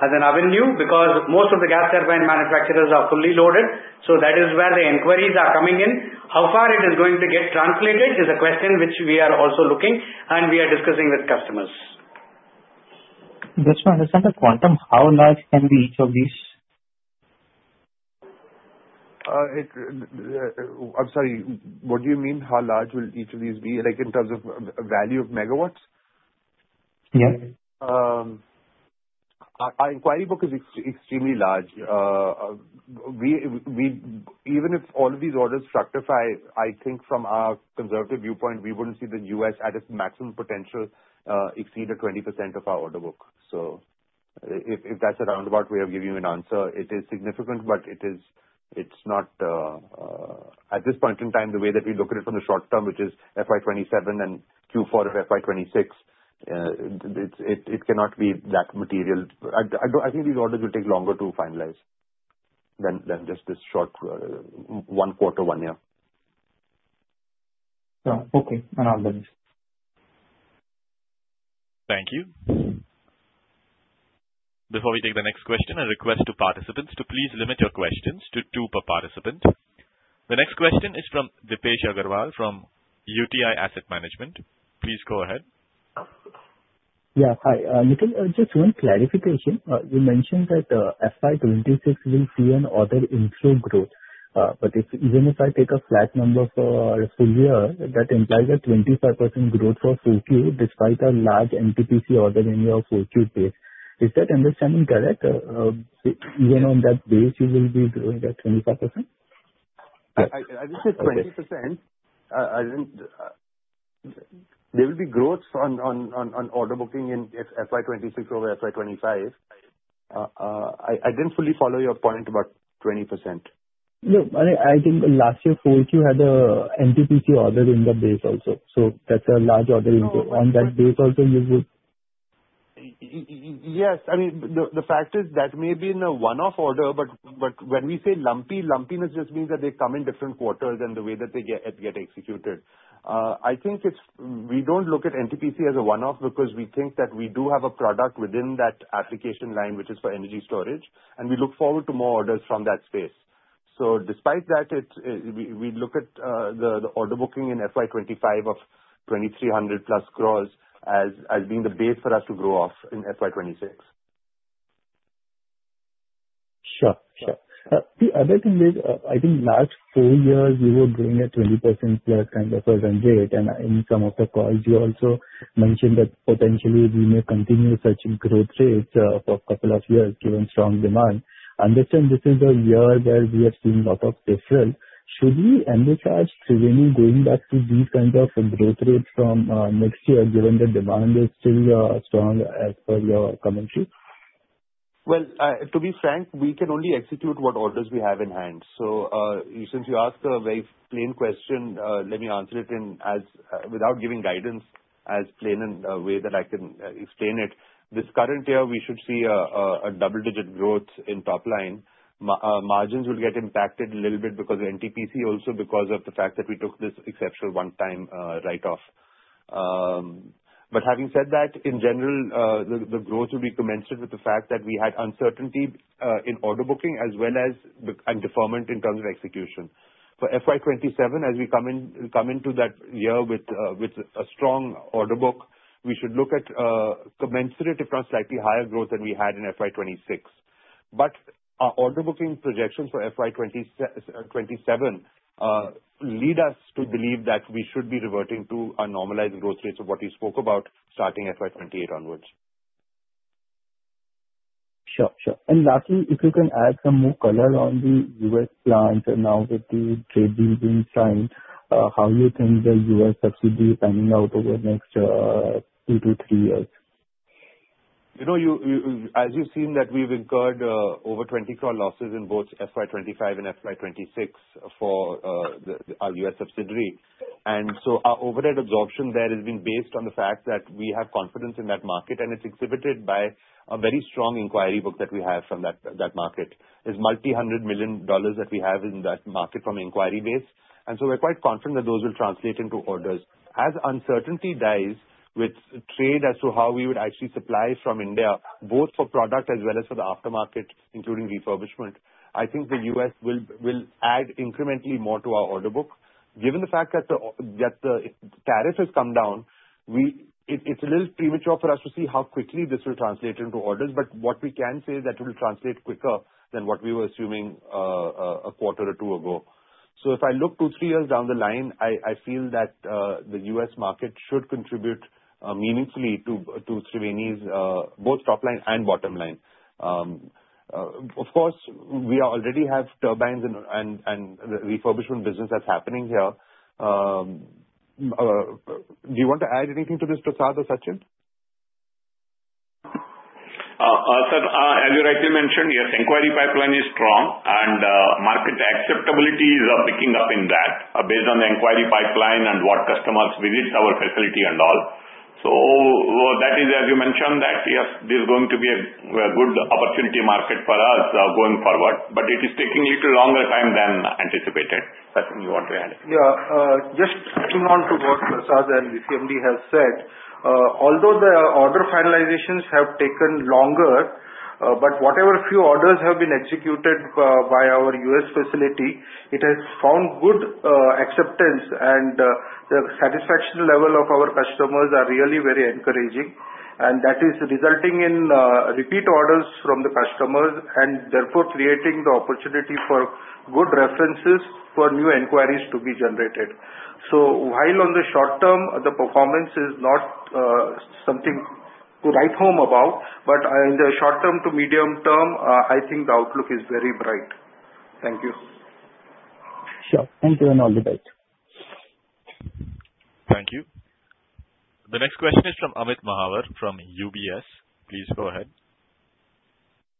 as an avenue because most of the gas turbine manufacturers are fully loaded, so that is where the inquiries are coming in. How far it is going to get translated is a question which we are also looking and we are discussing with customers. Just to understand the quantum, how large can be each of these? I'm sorry, what do you mean how large will each of these be, like, in terms of value of megawatts? Yes. Our inquiry book is extremely large. Even if all of these orders fructify, I think from a conservative viewpoint, we wouldn't see the U.S. at its maximum potential exceed 20% of our order book. So if that's a roundabout way of giving you an answer, it is significant, but it is not... At this point in time, the way that we look at it from the short term, which is FY 2027 and Q4 of FY 2026, it cannot be that material. I do think these orders will take longer to finalize than just this short one quarter, one year. Yeah. Okay, and all done. Thank you. Before we take the next question, a request to participants to please limit your questions to two per participant. The next question is from Deepesh Agarwal from UTI Asset Management. Please go ahead. Yeah. Hi, Nikhil, just one clarification. You mentioned that, FY 2026 will see an order inflow growth. But if, even if I take a flat number for a full year, that implies a 25% growth for full year, despite a large NTPC order in your full year base. Is that understanding correct? Even on that base, you will be growing at 25%? I just said 20%. I didn't... There will be growth in order booking in FY 2026 over FY 2025. I didn't fully follow your point about 20%. Yeah, I think last year, full year had a NTPC order in the base also, so that's a large order inflow. No. On that basis also, you will? Yes, I mean, the fact is that may be in a one-off order, but when we say lumpy, lumpiness just means that they come in different quarters than the way that they get executed. I think it's. We don't look at NTPC as a one-off because we think that we do have a product within that application line, which is for energy storage, and we look forward to more orders from that space. So despite that, we look at the order booking in FY 2025 of 2,300+ crore as being the base for us to grow off in FY 2026. Sure, sure. The other thing is, I think last four years you were growing at 20%+ kind of a rate, and in some of the calls you also mentioned that potentially we may continue such growth rates for a couple of years, given strong demand. I understand this is a year where we are seeing a lot of difference. Should we emphasize to when you going back to these kinds of growth rates from next year, given the demand is still strong as per your commentary? Well, to be frank, we can only execute what orders we have in hand. So, since you asked a very plain question, let me answer it in as, without giving guidance, as plain in a way that I can, explain it. This current year, we should see a double-digit growth in top line. Margins will get impacted a little bit because of NTPC, also because of the fact that we took this exceptional one-time, write-off. But having said that, in general, the growth will be commensurate with the fact that we had uncertainty, in order booking as well as the, and deferment in terms of execution. For FY 2027, as we come in, come into that year with, with a strong order book, we should look at, commensurate if not slightly higher growth than we had in FY 2026. But our order booking projections for FY 2027, lead us to believe that we should be reverting to a normalized growth rates of what we spoke about, starting FY 2028 onwards. Sure, sure. And lastly, if you can add some more color on the U.S. plants and now with the trade deal being signed, how you think the U.S. subsidy panning out over the next, two to three years? You know, as you've seen, that we've incurred over 20 crore losses in both FY 2025 and FY 2026 for our U.S. subsidiary. And so our overhead absorption there has been based on the fact that we have confidence in that market, and it's exhibited by a very strong inquiry book that we have from that market. It's multi-hundred million dollars that we have in that market from inquiry base, and so we're quite confident that those will translate into orders. As uncertainty dies with trade as to how we would actually supply from India, both for Product as well as for the Aftermarket, including refurbishment, I think the U.S. will add incrementally more to our order book. Given the fact that the tariff has come down, it's a little premature for us to see how quickly this will translate into orders, but what we can say is that it will translate quicker than what we were assuming a quarter or two ago. So if I look two, three years down the line, I feel that the U.S. market should contribute meaningfully to Triveni's both top line and bottom line. Of course, we already have turbines and refurbishment business that's happening here. Do you want to add anything to this, Prasad or Sachin? Sir, as you rightly mentioned, yes, inquiry pipeline is strong, and market acceptability is picking up in that, based on the inquiry pipeline and what customers visit our facility and all. So that is, as you mentioned, that, yes, this is going to be a good opportunity market for us, going forward, but it is taking a little longer time than anticipated. Sachin, you want to add? Yeah, just adding on to what Prasad and the CMD has said, although the order finalizations have taken longer, but whatever few orders have been executed by our U.S. facility, it has found good acceptance, and the satisfaction level of our customers are really very encouraging. And that is resulting in repeat orders from the customers and therefore creating the opportunity for good references for new inquiries to be generated. So while on the short term, the performance is not something to write home about, but in the short term to medium term, I think the outlook is very bright. Thank you. Sure. Thank you, and all the best. Thank you. The next question is from Amit Mahawar from UBS. Please go ahead.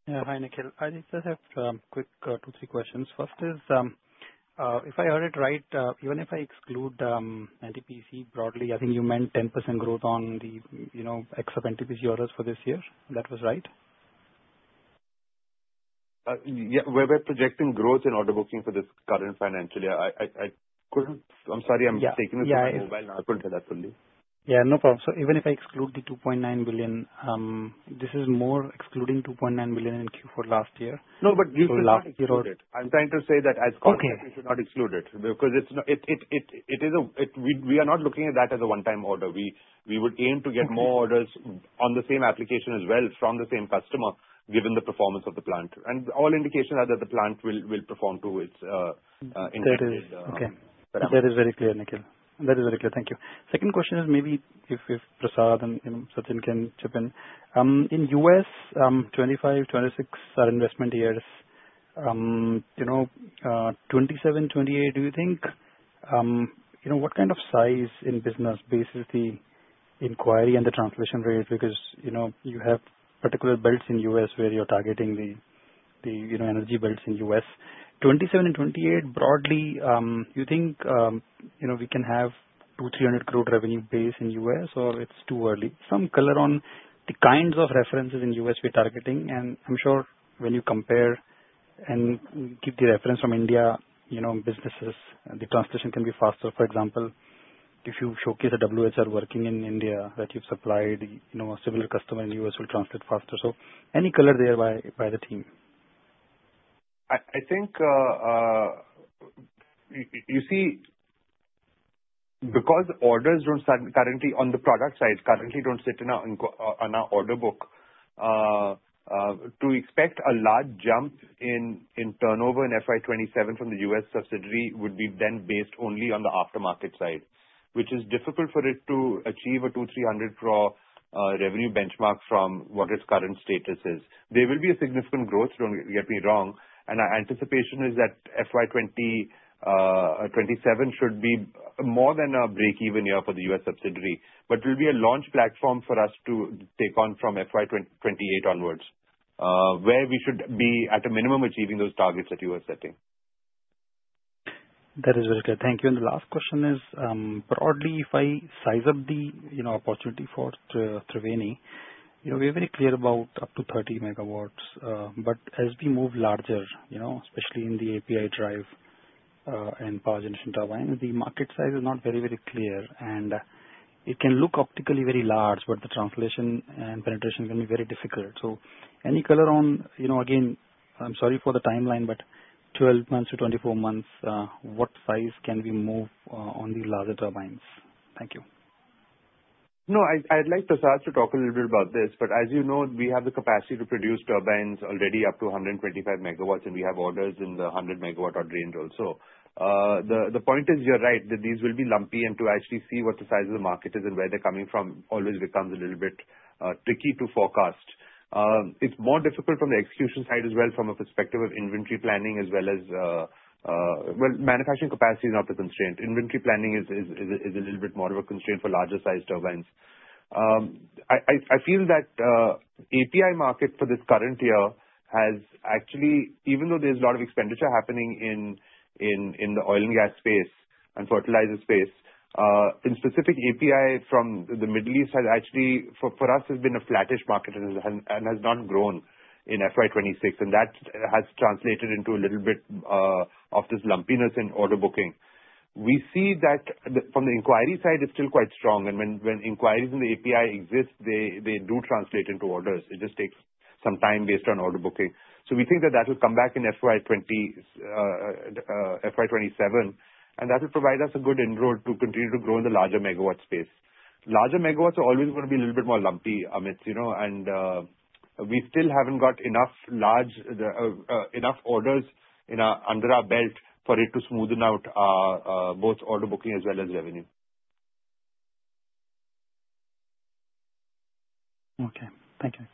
Yeah. Hi, Nikhil. I just have quick two, three questions. First is, if I heard it right, even if I exclude NTPC broadly, I think you meant 10% growth on the, you know, ex of NTPC orders for this year. That was right? Yeah, we're projecting growth in order booking for this current financial year. I couldn't... I'm sorry, I'm just taking this- Yeah. on my mobile. I couldn't hear that fully. Yeah, no problem. So even if I exclude the 2.9 billion, this is more excluding 2.9 billion in Q4 last year? No, but you- So last year order- I'm trying to say that as- Okay. You should not exclude it, because it's not. We are not looking at that as a one-time order. We would aim to get more orders on the same application as well from the same customer, given the performance of the plant. And all indications are that the plant will perform to its in- That is okay. That is very clear, Nikhil. That is very clear. Thank you. Second question is maybe if Prasad and Sachin can chip in. In U.S., 2025-2026 are investment years. You know, 2027-2028, do you think, you know, what kind of size in business base is the inquiry and the transmission rates? Because, you know, you have particular belts in U.S. where you're targeting the, the, you know, energy belts in U.S. 2027 and 2028, broadly, you think, you know, we can have 200-300 crore revenue base in U.S., or it's too early? Some color on the kinds of references in U.S. we're targeting, and I'm sure when you compare and get the reference from India, you know, businesses, the transition can be faster. For example, if you showcase a WHR working in India that you've supplied, you know, a similar customer in the U.S. will transit faster. So any color there by, by the team? I think you see, because orders don't start currently on the Product side, currently don't sit in our inquiry book on our order book, to expect a large jump in turnover in FY 2027 from the U.S. subsidiary would be then based only on the Aftermarket side, which is difficult for it to achieve 200-300 crore revenue benchmark from what its current status is. There will be a significant growth, don't get me wrong, and our anticipation is that FY 2027 should be more than a break-even year for the U.S. subsidiary, but will be a launch platform for us to take on from FY 2028 onwards, where we should be at a minimum achieving those targets that you are setting. That is very clear. Thank you. And the last question is, broadly, if I size up the, you know, opportunity for, Triveni, you know, we're very clear about up to 30 MW, but as we move larger, you know, especially in the API drive, and power generation turbine, the market size is not very, very clear, and it can look optically very large, but the translation and penetration can be very difficult. So any color on, you know, again, I'm sorry for the timeline, but 12-24 months, what size can we move, on the larger turbines? Thank you. No, I'd like Prasad to talk a little bit about this, but as you know, we have the capacity to produce turbines already up to 125 MW, and we have orders in the 100 MW range also. The point is, you're right, that these will be lumpy, and to actually see what the size of the market is and where they're coming from, always becomes a little bit tricky to forecast. It's more difficult from the execution side as well, from a perspective of inventory planning as well as, well, manufacturing capacity is not the constraint. Inventory planning is a little bit more of a constraint for larger-sized turbines. I feel that API market for this current year has actually, even though there's a lot of expenditure happening in the oil and gas space and fertilizer space, specifically, API from the Middle East has actually, for us, has been a flattish market and has not grown in FY 2026, and that has translated into a little bit of this lumpiness in order booking. We see that from the inquiry side, it's still quite strong, and when inquiries in the API exist, they do translate into orders. It just takes some time based on order booking. So we think that that will come back in FY 2027, and that will provide us a good inroad to continue to grow in the larger megawatt space. Larger megawatts are always gonna be a little bit more lumpy, Amit, you know, and we still haven't got enough large enough orders under our belt for it to smoothen out both order booking as well as revenue. Okay. Thank you.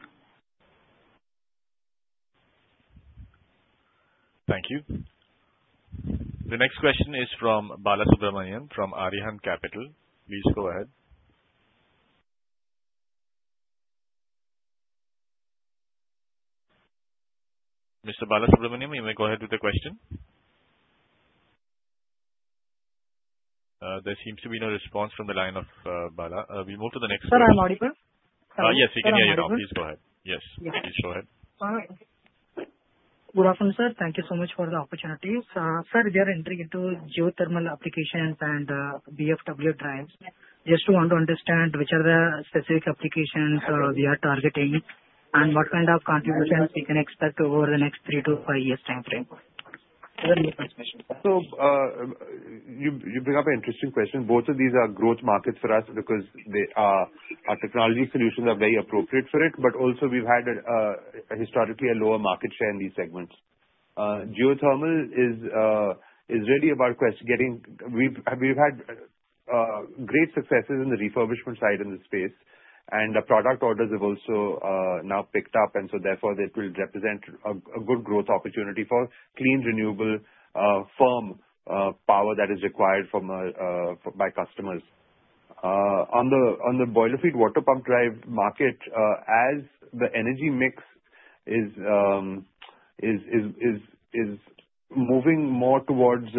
Thank you. The next question is from Balasubramanian, from Arihant Capital. Please go ahead. Mr. Bala Subramaniam, you may go ahead with the question. There seems to be no response from the line of Bala. We move to the next. Sir, I'm audible? Yes, we can hear you now. Sir, I'm audible. Please go ahead. Yes. Yeah. Please go ahead. All right. Good afternoon, sir. Thank you so much for the opportunity. Sir, we are entering into geothermal applications and BFWP drives. Just want to understand which are the specific applications we are targeting, and what kind of contributions we can expect over the next three to five years timeframe? Those are my questions, sir. So, you bring up an interesting question. Both of these are growth markets for us because they are. Our technology solutions are very appropriate for it, but also we've had historically a lower market share in these segments. Geothermal is really about getting. And we've had great successes in the refurbishment side in this space, and the product orders have also now picked up, and so therefore this will represent a good growth opportunity for clean, renewable firm power that is required by customers. On the boiler feed water pump drive market, as the energy mix is moving more towards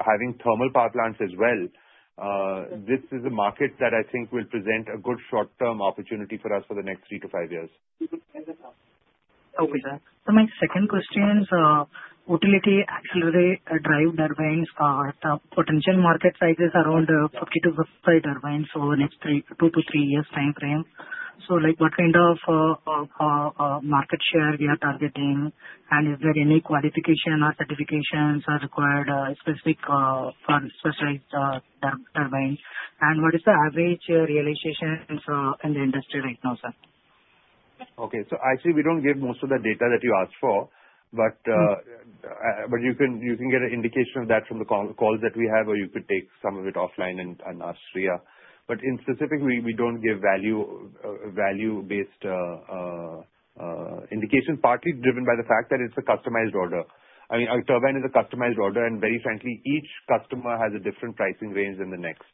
having thermal power plants as well, this is a market that I think will present a good short-term opportunity for us for the next three to five years. Okay, sir. So my second question is, utility auxiliary drive turbines, the potential market size is around 52 turbines, so in the next two to three years timeframe. So like, what kind of market share we are targeting? And is there any qualification or certifications are required, specific for specialized turbines? And what is the average realization in the industry right now, sir? Okay. So actually, we don't give most of the data that you asked for, but you can get an indication of that from the conference calls that we have, or you could take some of it offline and ask Shreya. But specifically, we don't give value-based indication, partly driven by the fact that it's a customized order. I mean, a turbine is a customized order, and very frankly, each customer has a different pricing range than the next.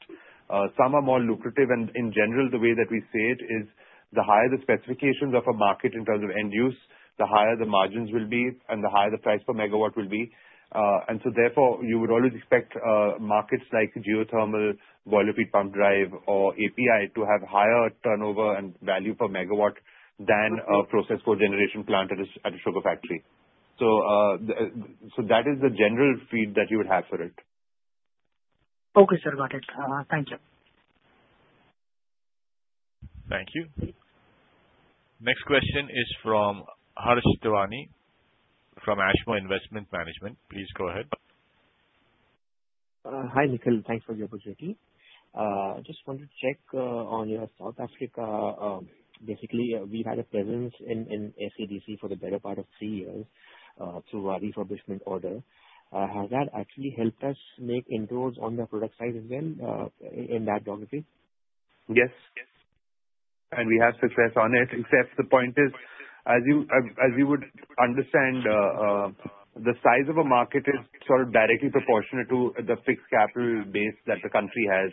Some are more lucrative, and in general, the way that we see it is, the higher the specifications of a market in terms of end use, the higher the margins will be and the higher the price per megawatt will be. And so therefore, you would always expect markets like geothermal, boiler feed pump drive, or API, to have higher turnover and value per megawatt than- Okay. a process for a generation plant at a sugar factory. So, that is the general feed that you would have for it. Okay, sir. Got it. Thank you. Thank you. Next question is from Harsh Tewaney, from Ashmore Investment Management. Please go ahead. Hi, Nikhil. Thanks for the opportunity. Just wanted to check on your South Africa, basically, we've had a presence in SADC for the better part of three years through a refurbishment order. Has that actually helped us make inroads on the product side as well in that geography? Yes. We have success on it, except the point is, as you would understand, the size of a market is sort of directly proportionate to the fixed capital base that the country has.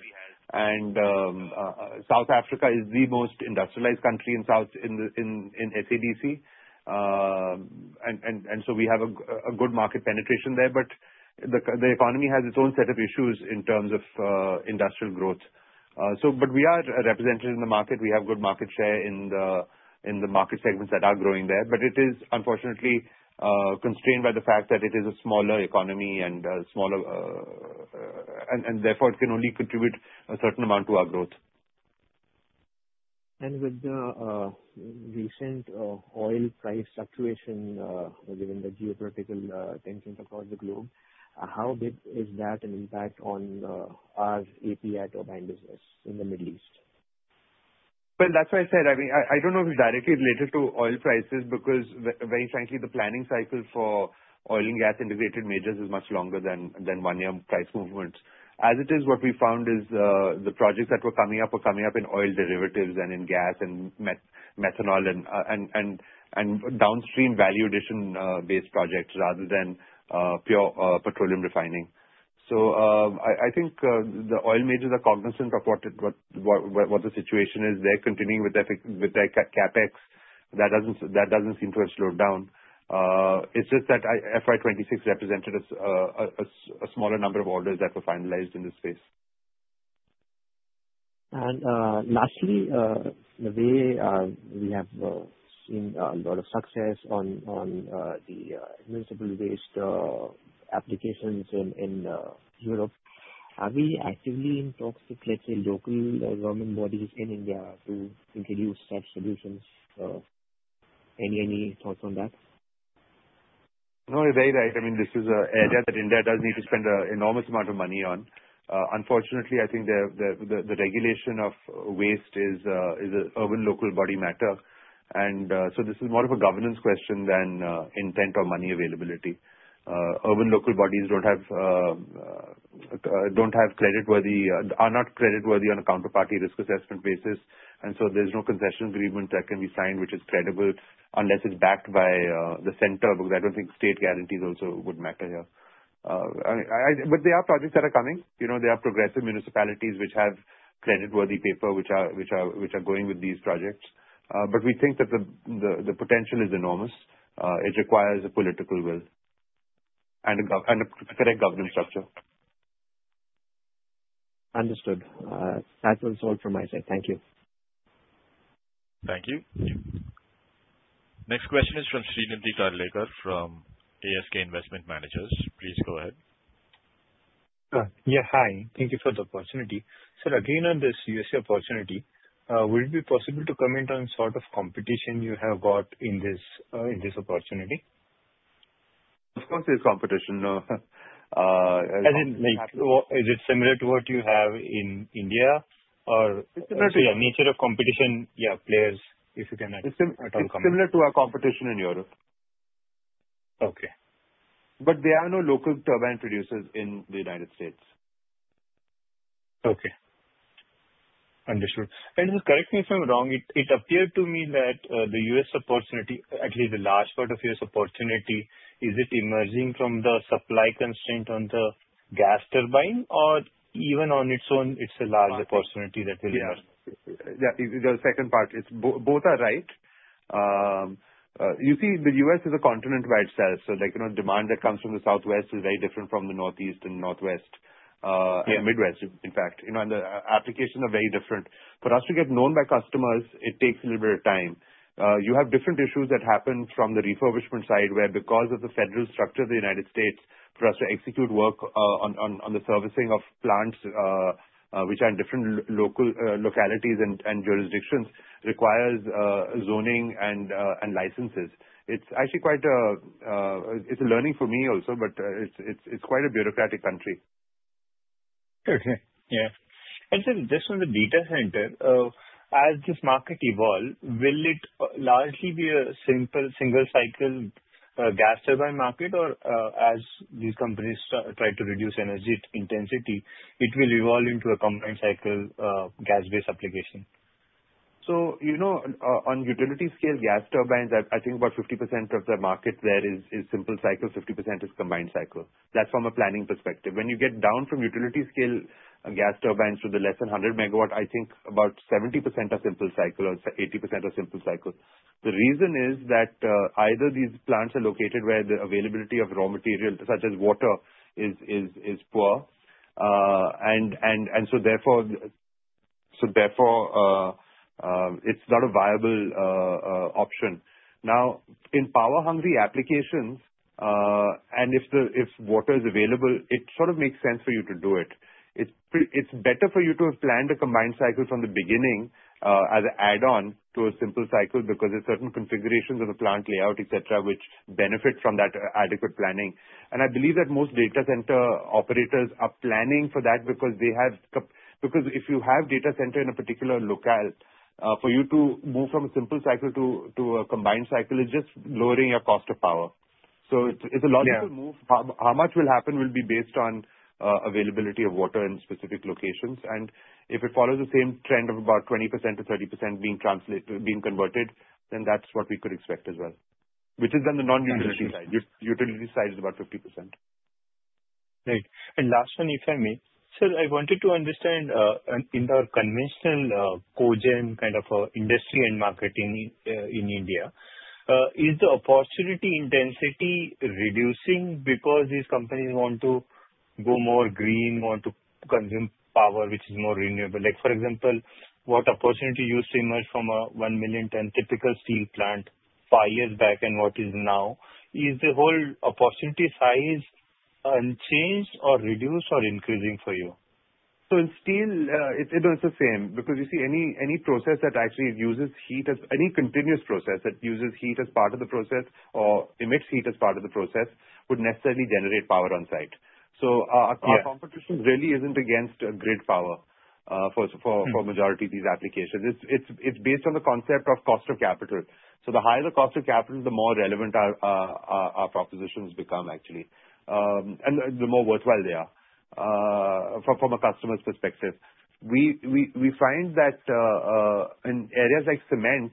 South Africa is the most industrialized country in SADC. So we have a good market penetration there, but the economy has its own set of issues in terms of industrial growth. But we are represented in the market. We have good market share in the market segments that are growing there. But it is unfortunately constrained by the fact that it is a smaller economy and a smaller. And therefore can only contribute a certain amount to our growth. With the recent oil price fluctuation, given the geopolitical tensions across the globe, how big is that an impact on our API turbine business in the Middle East? Well, that's why I said, I mean, I don't know if it's directly related to oil prices, because very frankly, the planning cycle for oil and gas integrated majors is much longer than one-year price movements. As it is, what we found is the projects that were coming up are coming up in oil derivatives and in gas and methanol and downstream value addition based projects, rather than pure petroleum refining. So, I think the oil majors are cognizant of what the situation is. They're continuing with their CapEx. That doesn't seem to have slowed down. It's just that FY 2026 represented a smaller number of orders that were finalized in this space. Lastly, the way we have seen a lot of success on the municipal waste applications in Europe, are we actively in talks with, let's say, local government bodies in India to introduce such solutions? Any, any thoughts on that? No, you're very right. I mean, this is an area that India does need to spend an enormous amount of money on. Unfortunately, I think the regulation of waste is an urban local body matter. And so this is more of a governance question than intent or money availability. Urban local bodies are not creditworthy on a counterparty risk assessment basis, and so there's no concession agreement that can be signed, which is credible, unless it's backed by the center, because I don't think state guarantees also would matter here. But there are projects that are coming. You know, there are progressive municipalities which have creditworthy paper, which are going with these projects. But we think that the potential is enormous. It requires a political will and a correct governance structure. Understood. That was all from my side. Thank you. Thank you. Next question is from Srinidhi Karlekar from ASK Investment Managers. Please go ahead. Yeah, hi. Thank you for the opportunity. Sir, again, on this U.S.A. opportunity, will it be possible to comment on sort of competition you have got in this, in this opportunity? Of course, there's competition. As in, like, is it similar to what you have in India, or? Similar to- Yeah, nature of competition, yeah, players, if you can comment. It's similar to our competition in Europe. Okay. But there are no local turbine producers in the United States. Okay. Understood. And just correct me if I'm wrong, it appeared to me that the U.S. opportunity, at least the large part of U.S. opportunity, is it emerging from the supply constraint on the gas turbine, or even on its own, it's a large opportunity that will have? Yeah, the second part is... Both are right. You see, the U.S. is a continent by itself, so like, you know, demand that comes from the Southwest is very different from the Northeast and Northwest. Yeah. Midwest, in fact. You know, and the application are very different. For us to get known by customers, it takes a little bit of time. You have different issues that happen from the refurbishment side, where because of the federal structure of the United States, for us to execute work on the servicing of plants, which are in different local localities and jurisdictions, requires zoning and licenses. It's actually quite a learning for me also, but it's quite a bureaucratic country. Okay, yeah. And so just on the data center, as this market evolve, will it largely be a simple single-cycle, gas turbine market? Or, as these companies try to reduce energy intensity, it will evolve into a combined cycle, gas-based application? So, you know, on utility scale gas turbines, I think about 50% of the market there is simple cycle, 50% is combined cycle. That's from a planning perspective. When you get down from utility scale gas turbines to the less than 100 MW, I think about 70% are simple cycle or 80% are simple cycle. The reason is that either these plants are located where the availability of raw materials, such as water, is poor. And so therefore, it's not a viable option. Now, in power-hungry applications, and if water is available, it sort of makes sense for you to do it. It's better for you to have planned a combined cycle from the beginning, as an add-on to a simple cycle, because there's certain configurations of the plant layout, et cetera, which benefit from that adequate planning. And I believe that most data center operators are planning for that, because if you have data center in a particular locale, for you to move from a simple cycle to a combined cycle, is just lowering your cost of power. So it's a logical move. Yeah. How much will happen will be based on availability of water in specific locations. And if it follows the same trend of about 20%-30% being converted, then that's what we could expect as well. Which is then the non-utility side. Yeah. Utility side is about 50%. Right. And last one, if I may. Sir, I wanted to understand, in the conventional, cogen kind of, industry and market in, in India, is the opportunity intensity reducing because these companies want to go more green, want to consume power, which is more renewable? Like, for example, what opportunity you see emerge from a 1 million ton typical steel plant five years back and what is now? Is the whole opportunity size, changed, or reduced, or increasing for you? So in steel, it, it's the same. Because you see, any, any process that actually uses heat as any continuous process that uses heat as part of the process, or emits heat as part of the process, would necessarily generate power on site. Yeah. So our competition really isn't against grid power for- Mm. For majority of these applications. It's based on the concept of cost of capital. So the higher the cost of capital, the more relevant our propositions become, actually. And the more worthwhile they are from a customer's perspective. We find that in areas like cement,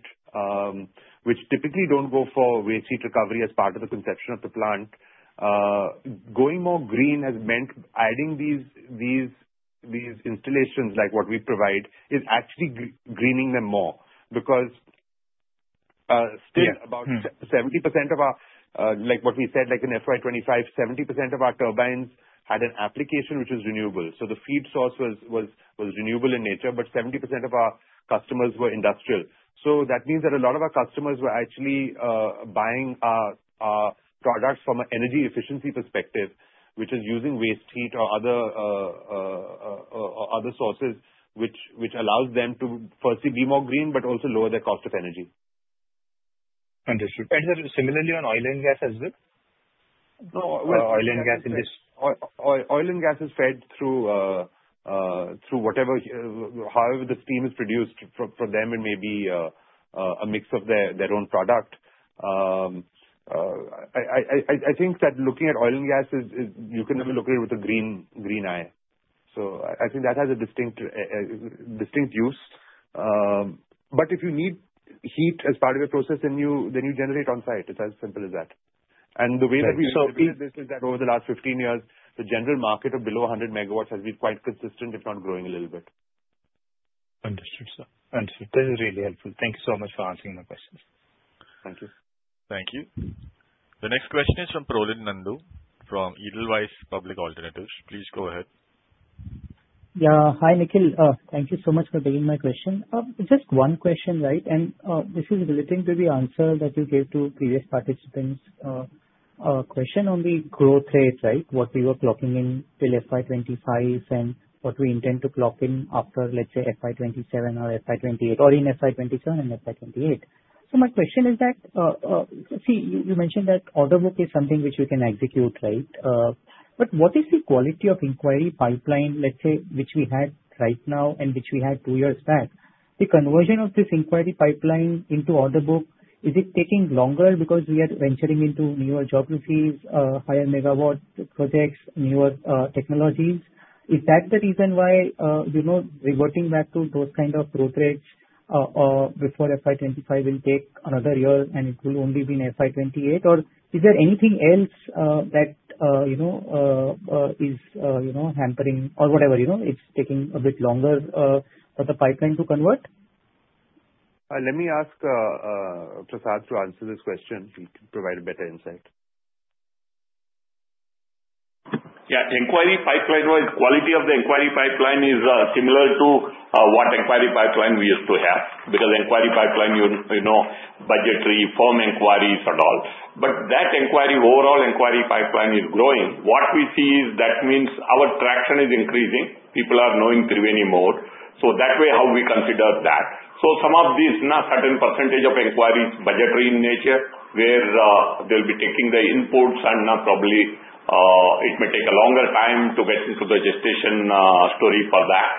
which typically don't go for waste heat recovery as part of the conception of the plant, going more green has meant adding these installations, like what we provide, is actually greening them more. Because Yeah. Mm. Still about 70% of our, like what we said, like in FY 2025, 70% of our turbines had an application which is renewable. So the feed source was renewable in nature, but 70% of our customers were industrial. So that means that a lot of our customers were actually buying our products from an energy efficiency perspective, which is using waste heat or other sources, which allows them to firstly be more green, but also lower their cost of energy. Understood. And, similarly on oil and gas as well? No. Oil and gas in this- Oil and gas is fed through whatever, however the steam is produced. For them, it may be a mix of their own product. I think that looking at oil and gas, you can never look at it with a green eye. So I think that has a distinct use. But if you need heat as part of the process, then you generate on site. It's as simple as that. The way that we- So- Look at this, is that over the last 15 years, the general market of below 100 MW has been quite consistent, if not growing a little bit. Understood, sir. Understood. This is really helpful. Thank you so much for answering my questions. Thank you. Thank you. The next question is from Prolin Nandu from Edelweiss Public Alternatives. Please go ahead. Yeah. Hi, Nikhil. Thank you so much for taking my question. Just one question, right, and this is relating to the answer that you gave to previous participants. A question on the growth rates, right? What we were clocking in till FY 2025 and what we intend to clock in after, let's say, FY 2027 or FY 2028, or in FY 2027 and FY 2028. So my question is that, see, you mentioned that order book is something which you can execute, right? But what is the quality of inquiry pipeline, let's say, which we had right now and which we had two years back? The conversion of this inquiry pipeline into order book, is it taking longer because we are venturing into newer geographies, higher megawatt projects, newer technologies? Is that the reason why, you know, reverting back to those kind of growth rates before FY 2025 will take another year, and it will only be in FY 2028? Or is there anything else that you know is you know hampering or whatever, you know, it's taking a bit longer for the pipeline to convert? Let me ask Prasad to answer this question. He can provide a better insight. Yeah, the inquiry pipeline-wise, quality of the inquiry pipeline is similar to what inquiry pipeline we used to have. Because inquiry pipeline, you know, budgetary form inquiries and all. But that inquiry, overall inquiry pipeline is growing. What we see is that means our traction is increasing. People are knowing Triveni more, so that way how we consider that. So some of these, now, certain percentage of inquiries budgetary in nature, where they'll be taking the inputs and probably it may take a longer time to get into the gestation story for that.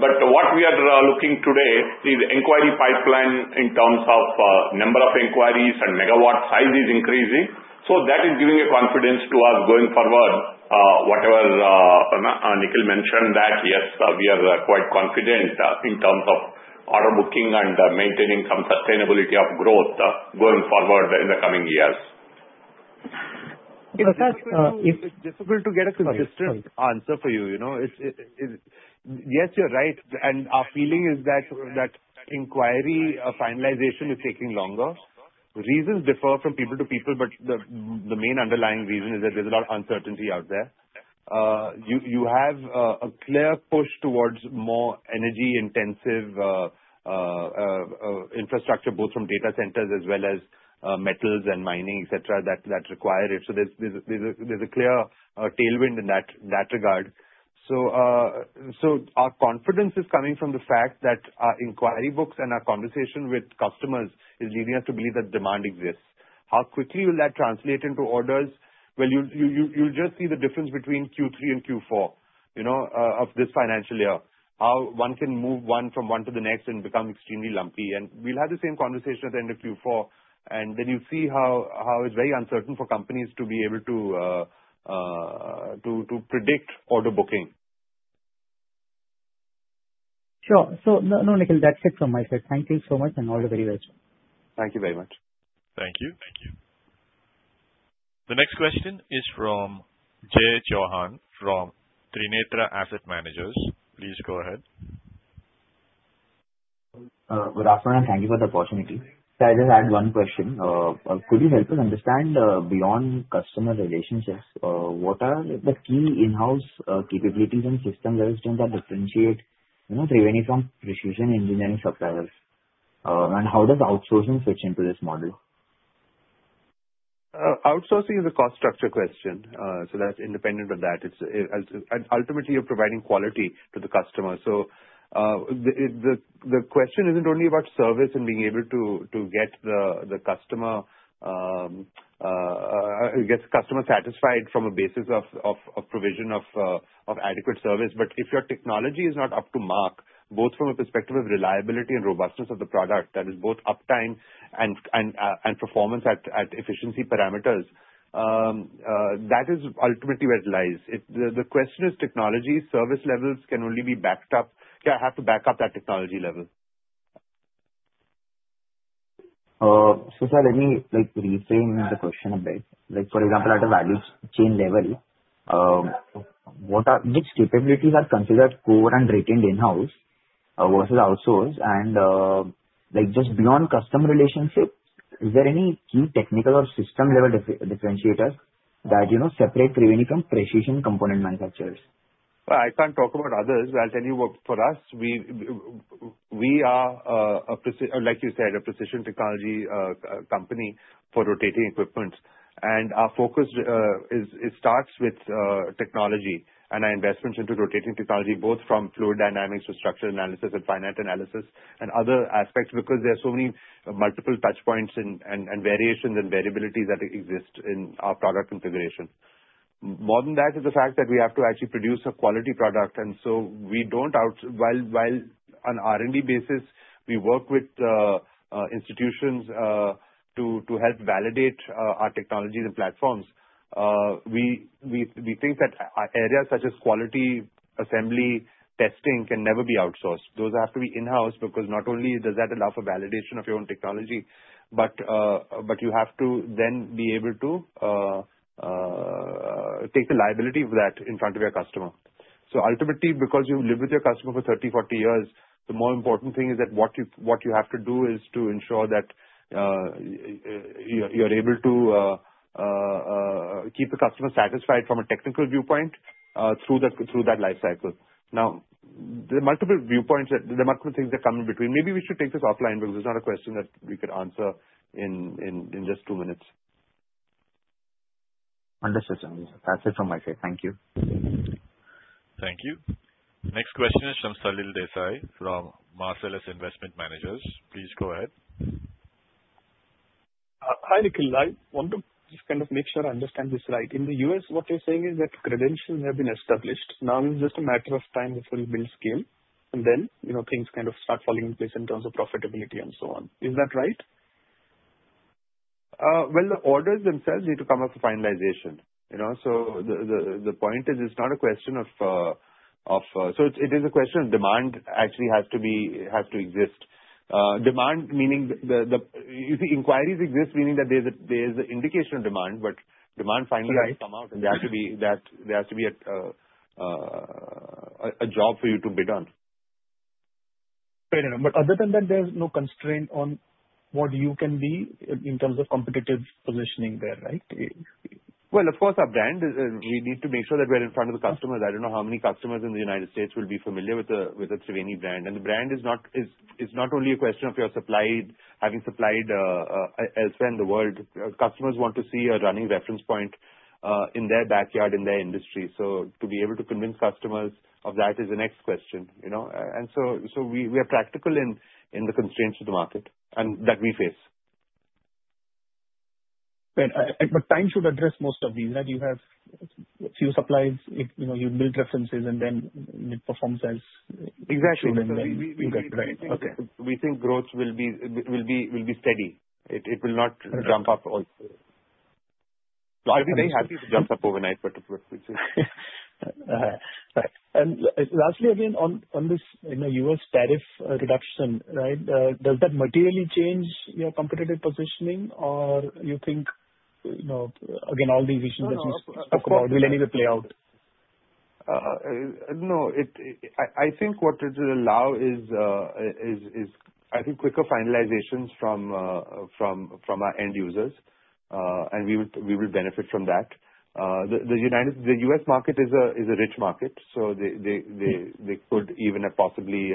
But what we are looking today is the inquiry pipeline in terms of number of inquiries and megawatt size is increasing, so that is giving a confidence to us going forward. Nikhil mentioned that, yes, we are quite confident in terms of order booking and maintaining some sustainability of growth going forward in the coming years. Prasad- Difficult to get a consistent answer for you, you know? It's... Yes, you're right, and our feeling is that inquiry finalization is taking longer. Reasons differ from people to people, but the main underlying reason is that there's a lot of uncertainty out there. You have a clear push towards more energy-intensive infrastructure, both from data centers as well as metals and mining, et cetera, that require it. So there's a clear tailwind in that regard. So our confidence is coming from the fact that our inquiry books and our conversation with customers is leading us to believe that demand exists. How quickly will that translate into orders? Well, you just see the difference between Q3 and Q4, you know, of this financial year, how one can move from one to the next and become extremely lumpy. We'll have the same conversation at the end of Q4, and then you'll see how it's very uncertain for companies to be able to predict order booking. Sure. So, no, no, Nikhil, that's it from my side. Thank you so much, and all the very best. Thank you very much. Thank you. Thank you. The next question is from Jai Chauhan, from Trinetra Asset Managers. Please go ahead. Good afternoon and thank you for the opportunity. So I just had one question. Could you help us understand, beyond customer relationships, what are the key in-house capabilities and system levels that differentiate, you know, Triveni from precision engineering suppliers? And how does outsourcing fit into this model? Outsourcing is a cost structure question, so that's independent of that. It's ultimately you're providing quality to the customer. So, the question isn't only about service and being able to get the customer, I guess, customer satisfied from a basis of provision of adequate service. But if your technology is not up to mark, both from a perspective of reliability and robustness of the product, that is both uptime and performance at efficiency parameters, that is ultimately where it lies. If the question is technology, service levels can only be backed up. Yeah, I have to back up that technology level. So sir, let me, like, reframe the question a bit. Like, for example, at a value chain level, which capabilities are considered core and retained in-house, versus outsourced? And, like, just beyond customer relationships, is there any key technical or system-level differentiator that, you know, separate Triveni from precision component manufacturers? Well, I can't talk about others. I'll tell you what, for us, we are, like you said, a precision technology company for rotating equipment. And our focus is, it starts with technology and our investments into rotating technology, both from fluid dynamics to structural analysis and finite analysis, and other aspects, because there are so many multiple touch points and variations and variabilities that exist in our product configuration. More than that is the fact that we have to actually produce a quality product, and so we don't outsource. While on R&D basis, we work with institutions to help validate our technologies and platforms, we think that areas such as quality, assembly, testing can never be outsourced. Those have to be in-house, because not only does that allow for validation of your own technology, but but you have to then be able to take the liability of that in front of your customer. So ultimately, because you live with your customer for 30, 40 years, the more important thing is that what you have to do is to ensure that you're able to keep the customer satisfied from a technical viewpoint, through that life cycle. Now, there are multiple viewpoints, there are multiple things that come in between. Maybe we should take this offline, because it's not a question that we could answer in just two minutes. Understood, sir. That's it from my side. Thank you. Thank you. Next question is from Salil Desai, from Marcellus Investment Managers. Please go ahead. Hi, Nikhil. I want to just kind of make sure I understand this right. In the U.S., what you're saying is that credentials have been established, now it's just a matter of time before you build scale, and then, you know, things kind of start falling in place in terms of profitability and so on. Is that right? Well, the orders themselves need to come up for finalization, you know? So the point is, it's not a question of... So it is a question of demand actually has to be- has to exist. Demand, meaning if the inquiries exist, meaning that there's an indication of demand, but demand finally- Right. has to come out, and there has to be that, there has to be a job for you to be done. Fair enough. But other than that, there's no constraint on what you can be in terms of competitive positioning there, right? Well, of course, our brand is, we need to make sure that we're in front of the customers. I don't know how many customers in the United States will be familiar with the Triveni brand, and the brand is not only a question of your having supplied elsewhere in the world. Customers want to see a running reference point in their backyard, in their industry. So to be able to convince customers of that is the next question, you know. And so we are practical in the constraints of the market and that we face. Well, but time should address most of these, right? You have a few suppliers, you know, you build references and then it performs as- Exactly. Okay. We think growth will be steady. It will not jump up all. I'll be very happy if it jumps up overnight, but of course it will. Right. And lastly, again, on this, you know, U.S. tariff reduction, right? Does that materially change your competitive positioning, or you think, you know, again, all the issues that you spoke about will anyway play out? No. I think what it will allow is quicker finalizations from our end users, and we would benefit from that. The U.S. market is a rich market, so they could even have possibly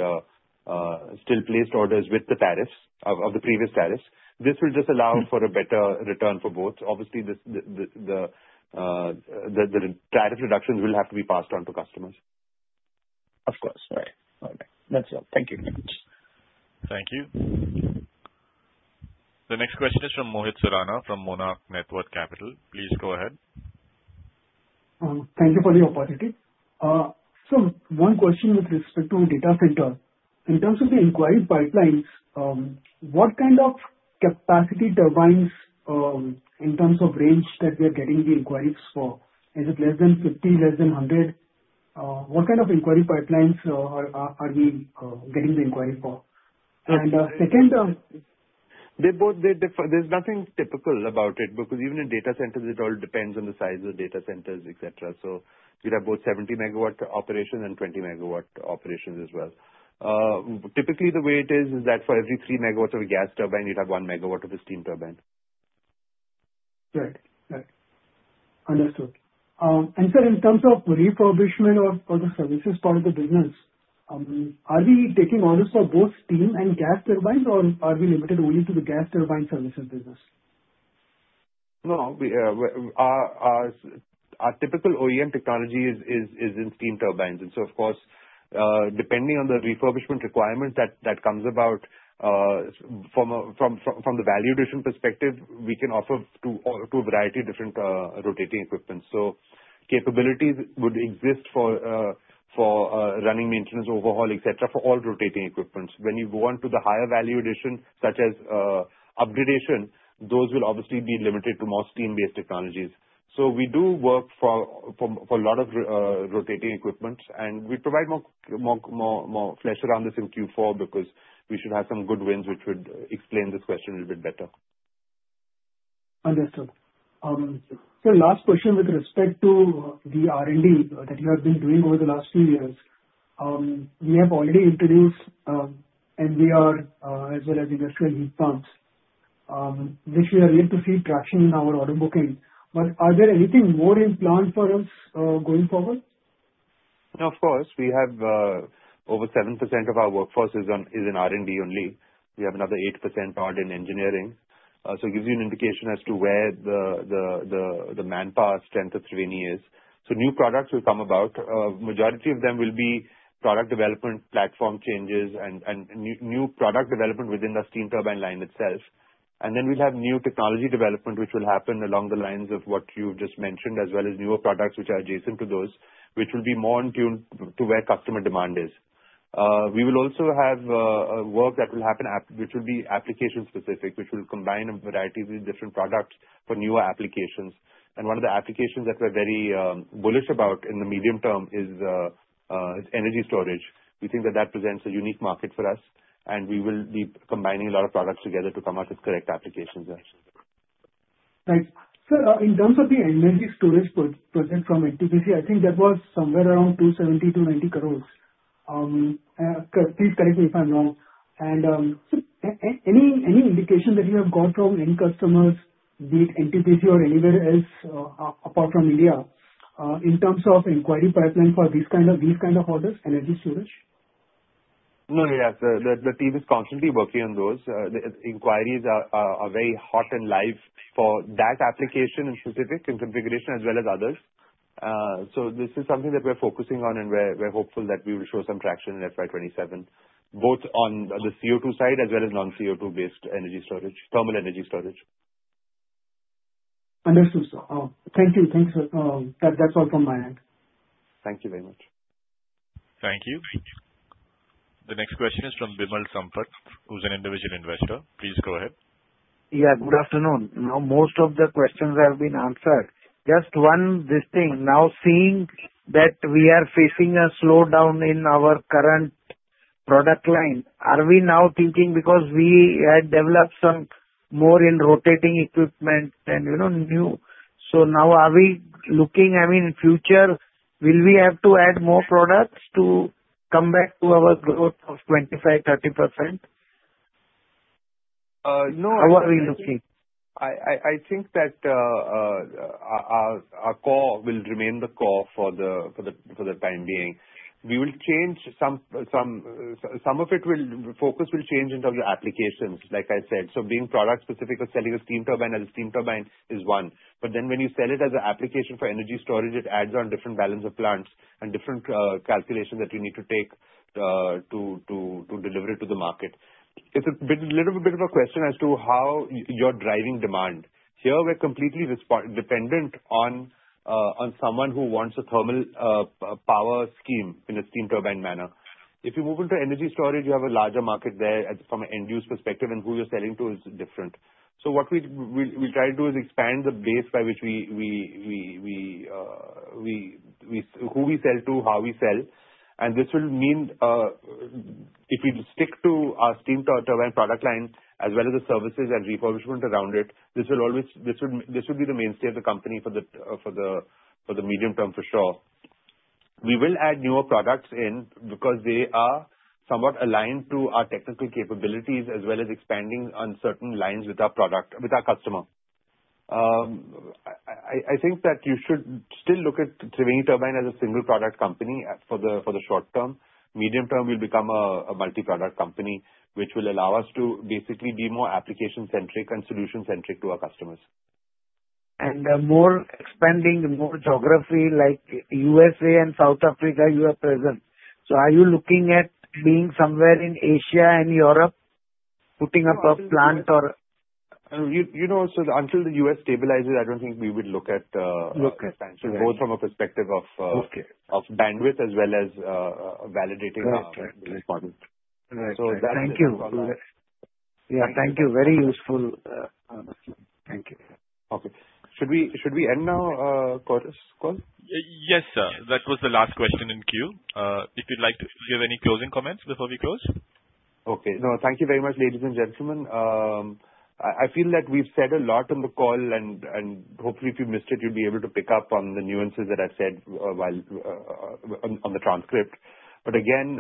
still placed orders with the tariffs of the previous tariffs. This will just allow for a better return for both. Obviously, the tariff reductions will have to be passed on to customers. Of course. Right. Okay. That's all. Thank you very much. Thank you. The next question is from Mohit Surana, from Monarch Networth Capital. Please go ahead. Thank you for the opportunity. So one question with respect to data center. In terms of the inquiry pipelines, what kind of capacity turbines, in terms of range, that we are getting the inquiries for? Is it less than 50, less than 100? What kind of inquiry pipelines are we getting the inquiry for? And second, They both, they differ. There's nothing typical about it, because even in data centers, it all depends on the size of data centers, et cetera. So we have both 70 MW operations and 20 MW operations as well. Typically, the way it is, is that for every 3 MW of gas turbine, you'd have 1 MW of the steam turbine. Right. Right. Understood. Sir, in terms of refurbishment or for the services part of the business, are we taking orders for both steam and gas turbines, or are we limited only to the gas turbine services business? No, we, our typical OEM technology is in steam turbines. And so of course, depending on the refurbishment requirement that comes about, from the value addition perspective, we can offer to a variety of different rotating equipment. So capabilities would exist for running maintenance, overhaul, et cetera, for all rotating equipment. When you go on to the higher value addition, such as upgradation, those will obviously be limited to more steam-based technologies. So we do work for a lot of rotating equipment, and we provide more flesh around this in Q4, because we should have some good wins, which would explain this question a little bit better. Understood. So last question with respect to the R&D that you have been doing over the last few years. We have already introduced MVR, as well as industrial heat pumps, which we are yet to see traction in our order booking. But are there anything more in plan for us, going forward? Of course, we have over 7% of our workforce is on, is in R&D only. We have another 8% part in engineering. So it gives you an indication as to where the manpower strength of Triveni is. So new products will come about. Majority of them will be product development, platform changes, and new product development within the steam turbine line itself. And then we'll have new technology development, which will happen along the lines of what you just mentioned, as well as newer products which are adjacent to those, which will be more in tune to where customer demand is. We will also have a work that will happen at, which will be application-specific, which will combine a variety of different products for newer applications. And one of the applications that we're very... Bullish about in the medium term is energy storage. We think that that presents a unique market for us, and we will be combining a lot of products together to come up with correct applications there. Right. So, in terms of the energy storage proposal from NTPC, I think that was somewhere around 270 crore-290 crore. Please correct me if I'm wrong. So any indication that you have got from any customers, be it NTPC or anywhere else, apart from India, in terms of inquiry pipeline for these kind of, these kind of orders, energy storage? No, yeah. The team is constantly working on those. The inquiries are very hot and live for that application in specific and configuration, as well as others. So this is something that we're focusing on, and we're hopeful that we will show some traction in FY27, both on the CO2 side as well as non-CO2 based energy storage, thermal energy storage. Understood, sir. Thank you. Thanks, that's all from my end. Thank you very much. Thank you. The next question is from Vimal Sampat, who's an individual investor. Please go ahead. Yeah, good afternoon. Now, most of the questions have been answered. Just one this thing, now seeing that we are facing a slowdown in our current product line, are we now thinking because we had developed some more in rotating equipment and, you know, new, so now are we looking, I mean, future, will we have to add more products to come back to our growth of 25%-30%? Uh, no- How are we looking? I think that our core will remain the core for the time being. We will change some of it will. Focus will change in terms of applications, like I said. So being product specific or selling a steam turbine as a steam turbine is one. But then when you sell it as an application for energy storage, it adds on different balance of plants and different calculation that you need to take to deliver it to the market. It's a bit, little bit of a question as to how you're driving demand. Here, we're completely dependent on someone who wants a thermal power scheme in a steam turbine manner. If you move into energy storage, you have a larger market there at, from an end-user perspective, and who you're selling to is different. So what we try to do is expand the base by which we who we sell to, how we sell. And this will mean, if we stick to our steam turbine product line, as well as the services and refurbishment around it, this will be the mainstay of the company for the medium term, for sure. We will add newer products in because they are somewhat aligned to our technical capabilities, as well as expanding on certain lines with our product, with our customer. I think that you should still look at Triveni Turbine as a single product company, for the short term. Medium term, we'll become a multi-product company, which will allow us to basically be more application-centric and solution-centric to our customers. And, more expanding, more geography like U.S.A. and South Africa, you are present. So are you looking at being somewhere in Asia and Europe, putting up a plant or? You know, so until the U.S. stabilizes, I don't think we would look at, Look at. Both from a perspective of, Okay. Of bandwidth, as well as validating our- Right. Response. Right. So that- Thank you. Yeah, thank you. Very useful. Thank you. Okay. Should we, should we end now, Chorus Call? Yes, sir. That was the last question in queue. If you'd like to, if you have any closing comments before we close? Okay. No, thank you very much, ladies and gentlemen. I feel that we've said a lot on the call, and hopefully if you missed it, you'll be able to pick up on the nuances that I've said while on the transcript. But again,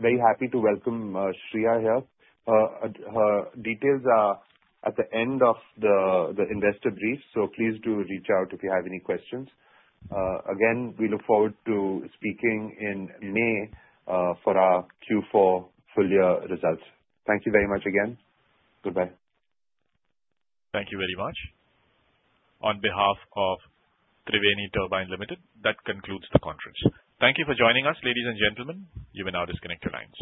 very happy to welcome Shreya here. Her details are at the end of the investor brief, so please do reach out if you have any questions. Again, we look forward to speaking in May for our Q4 full year results. Thank you very much again. Goodbye. Thank you very much. On behalf of Triveni Turbine Limited, that concludes the conference. Thank you for joining us, ladies and gentlemen. You may now disconnect your lines.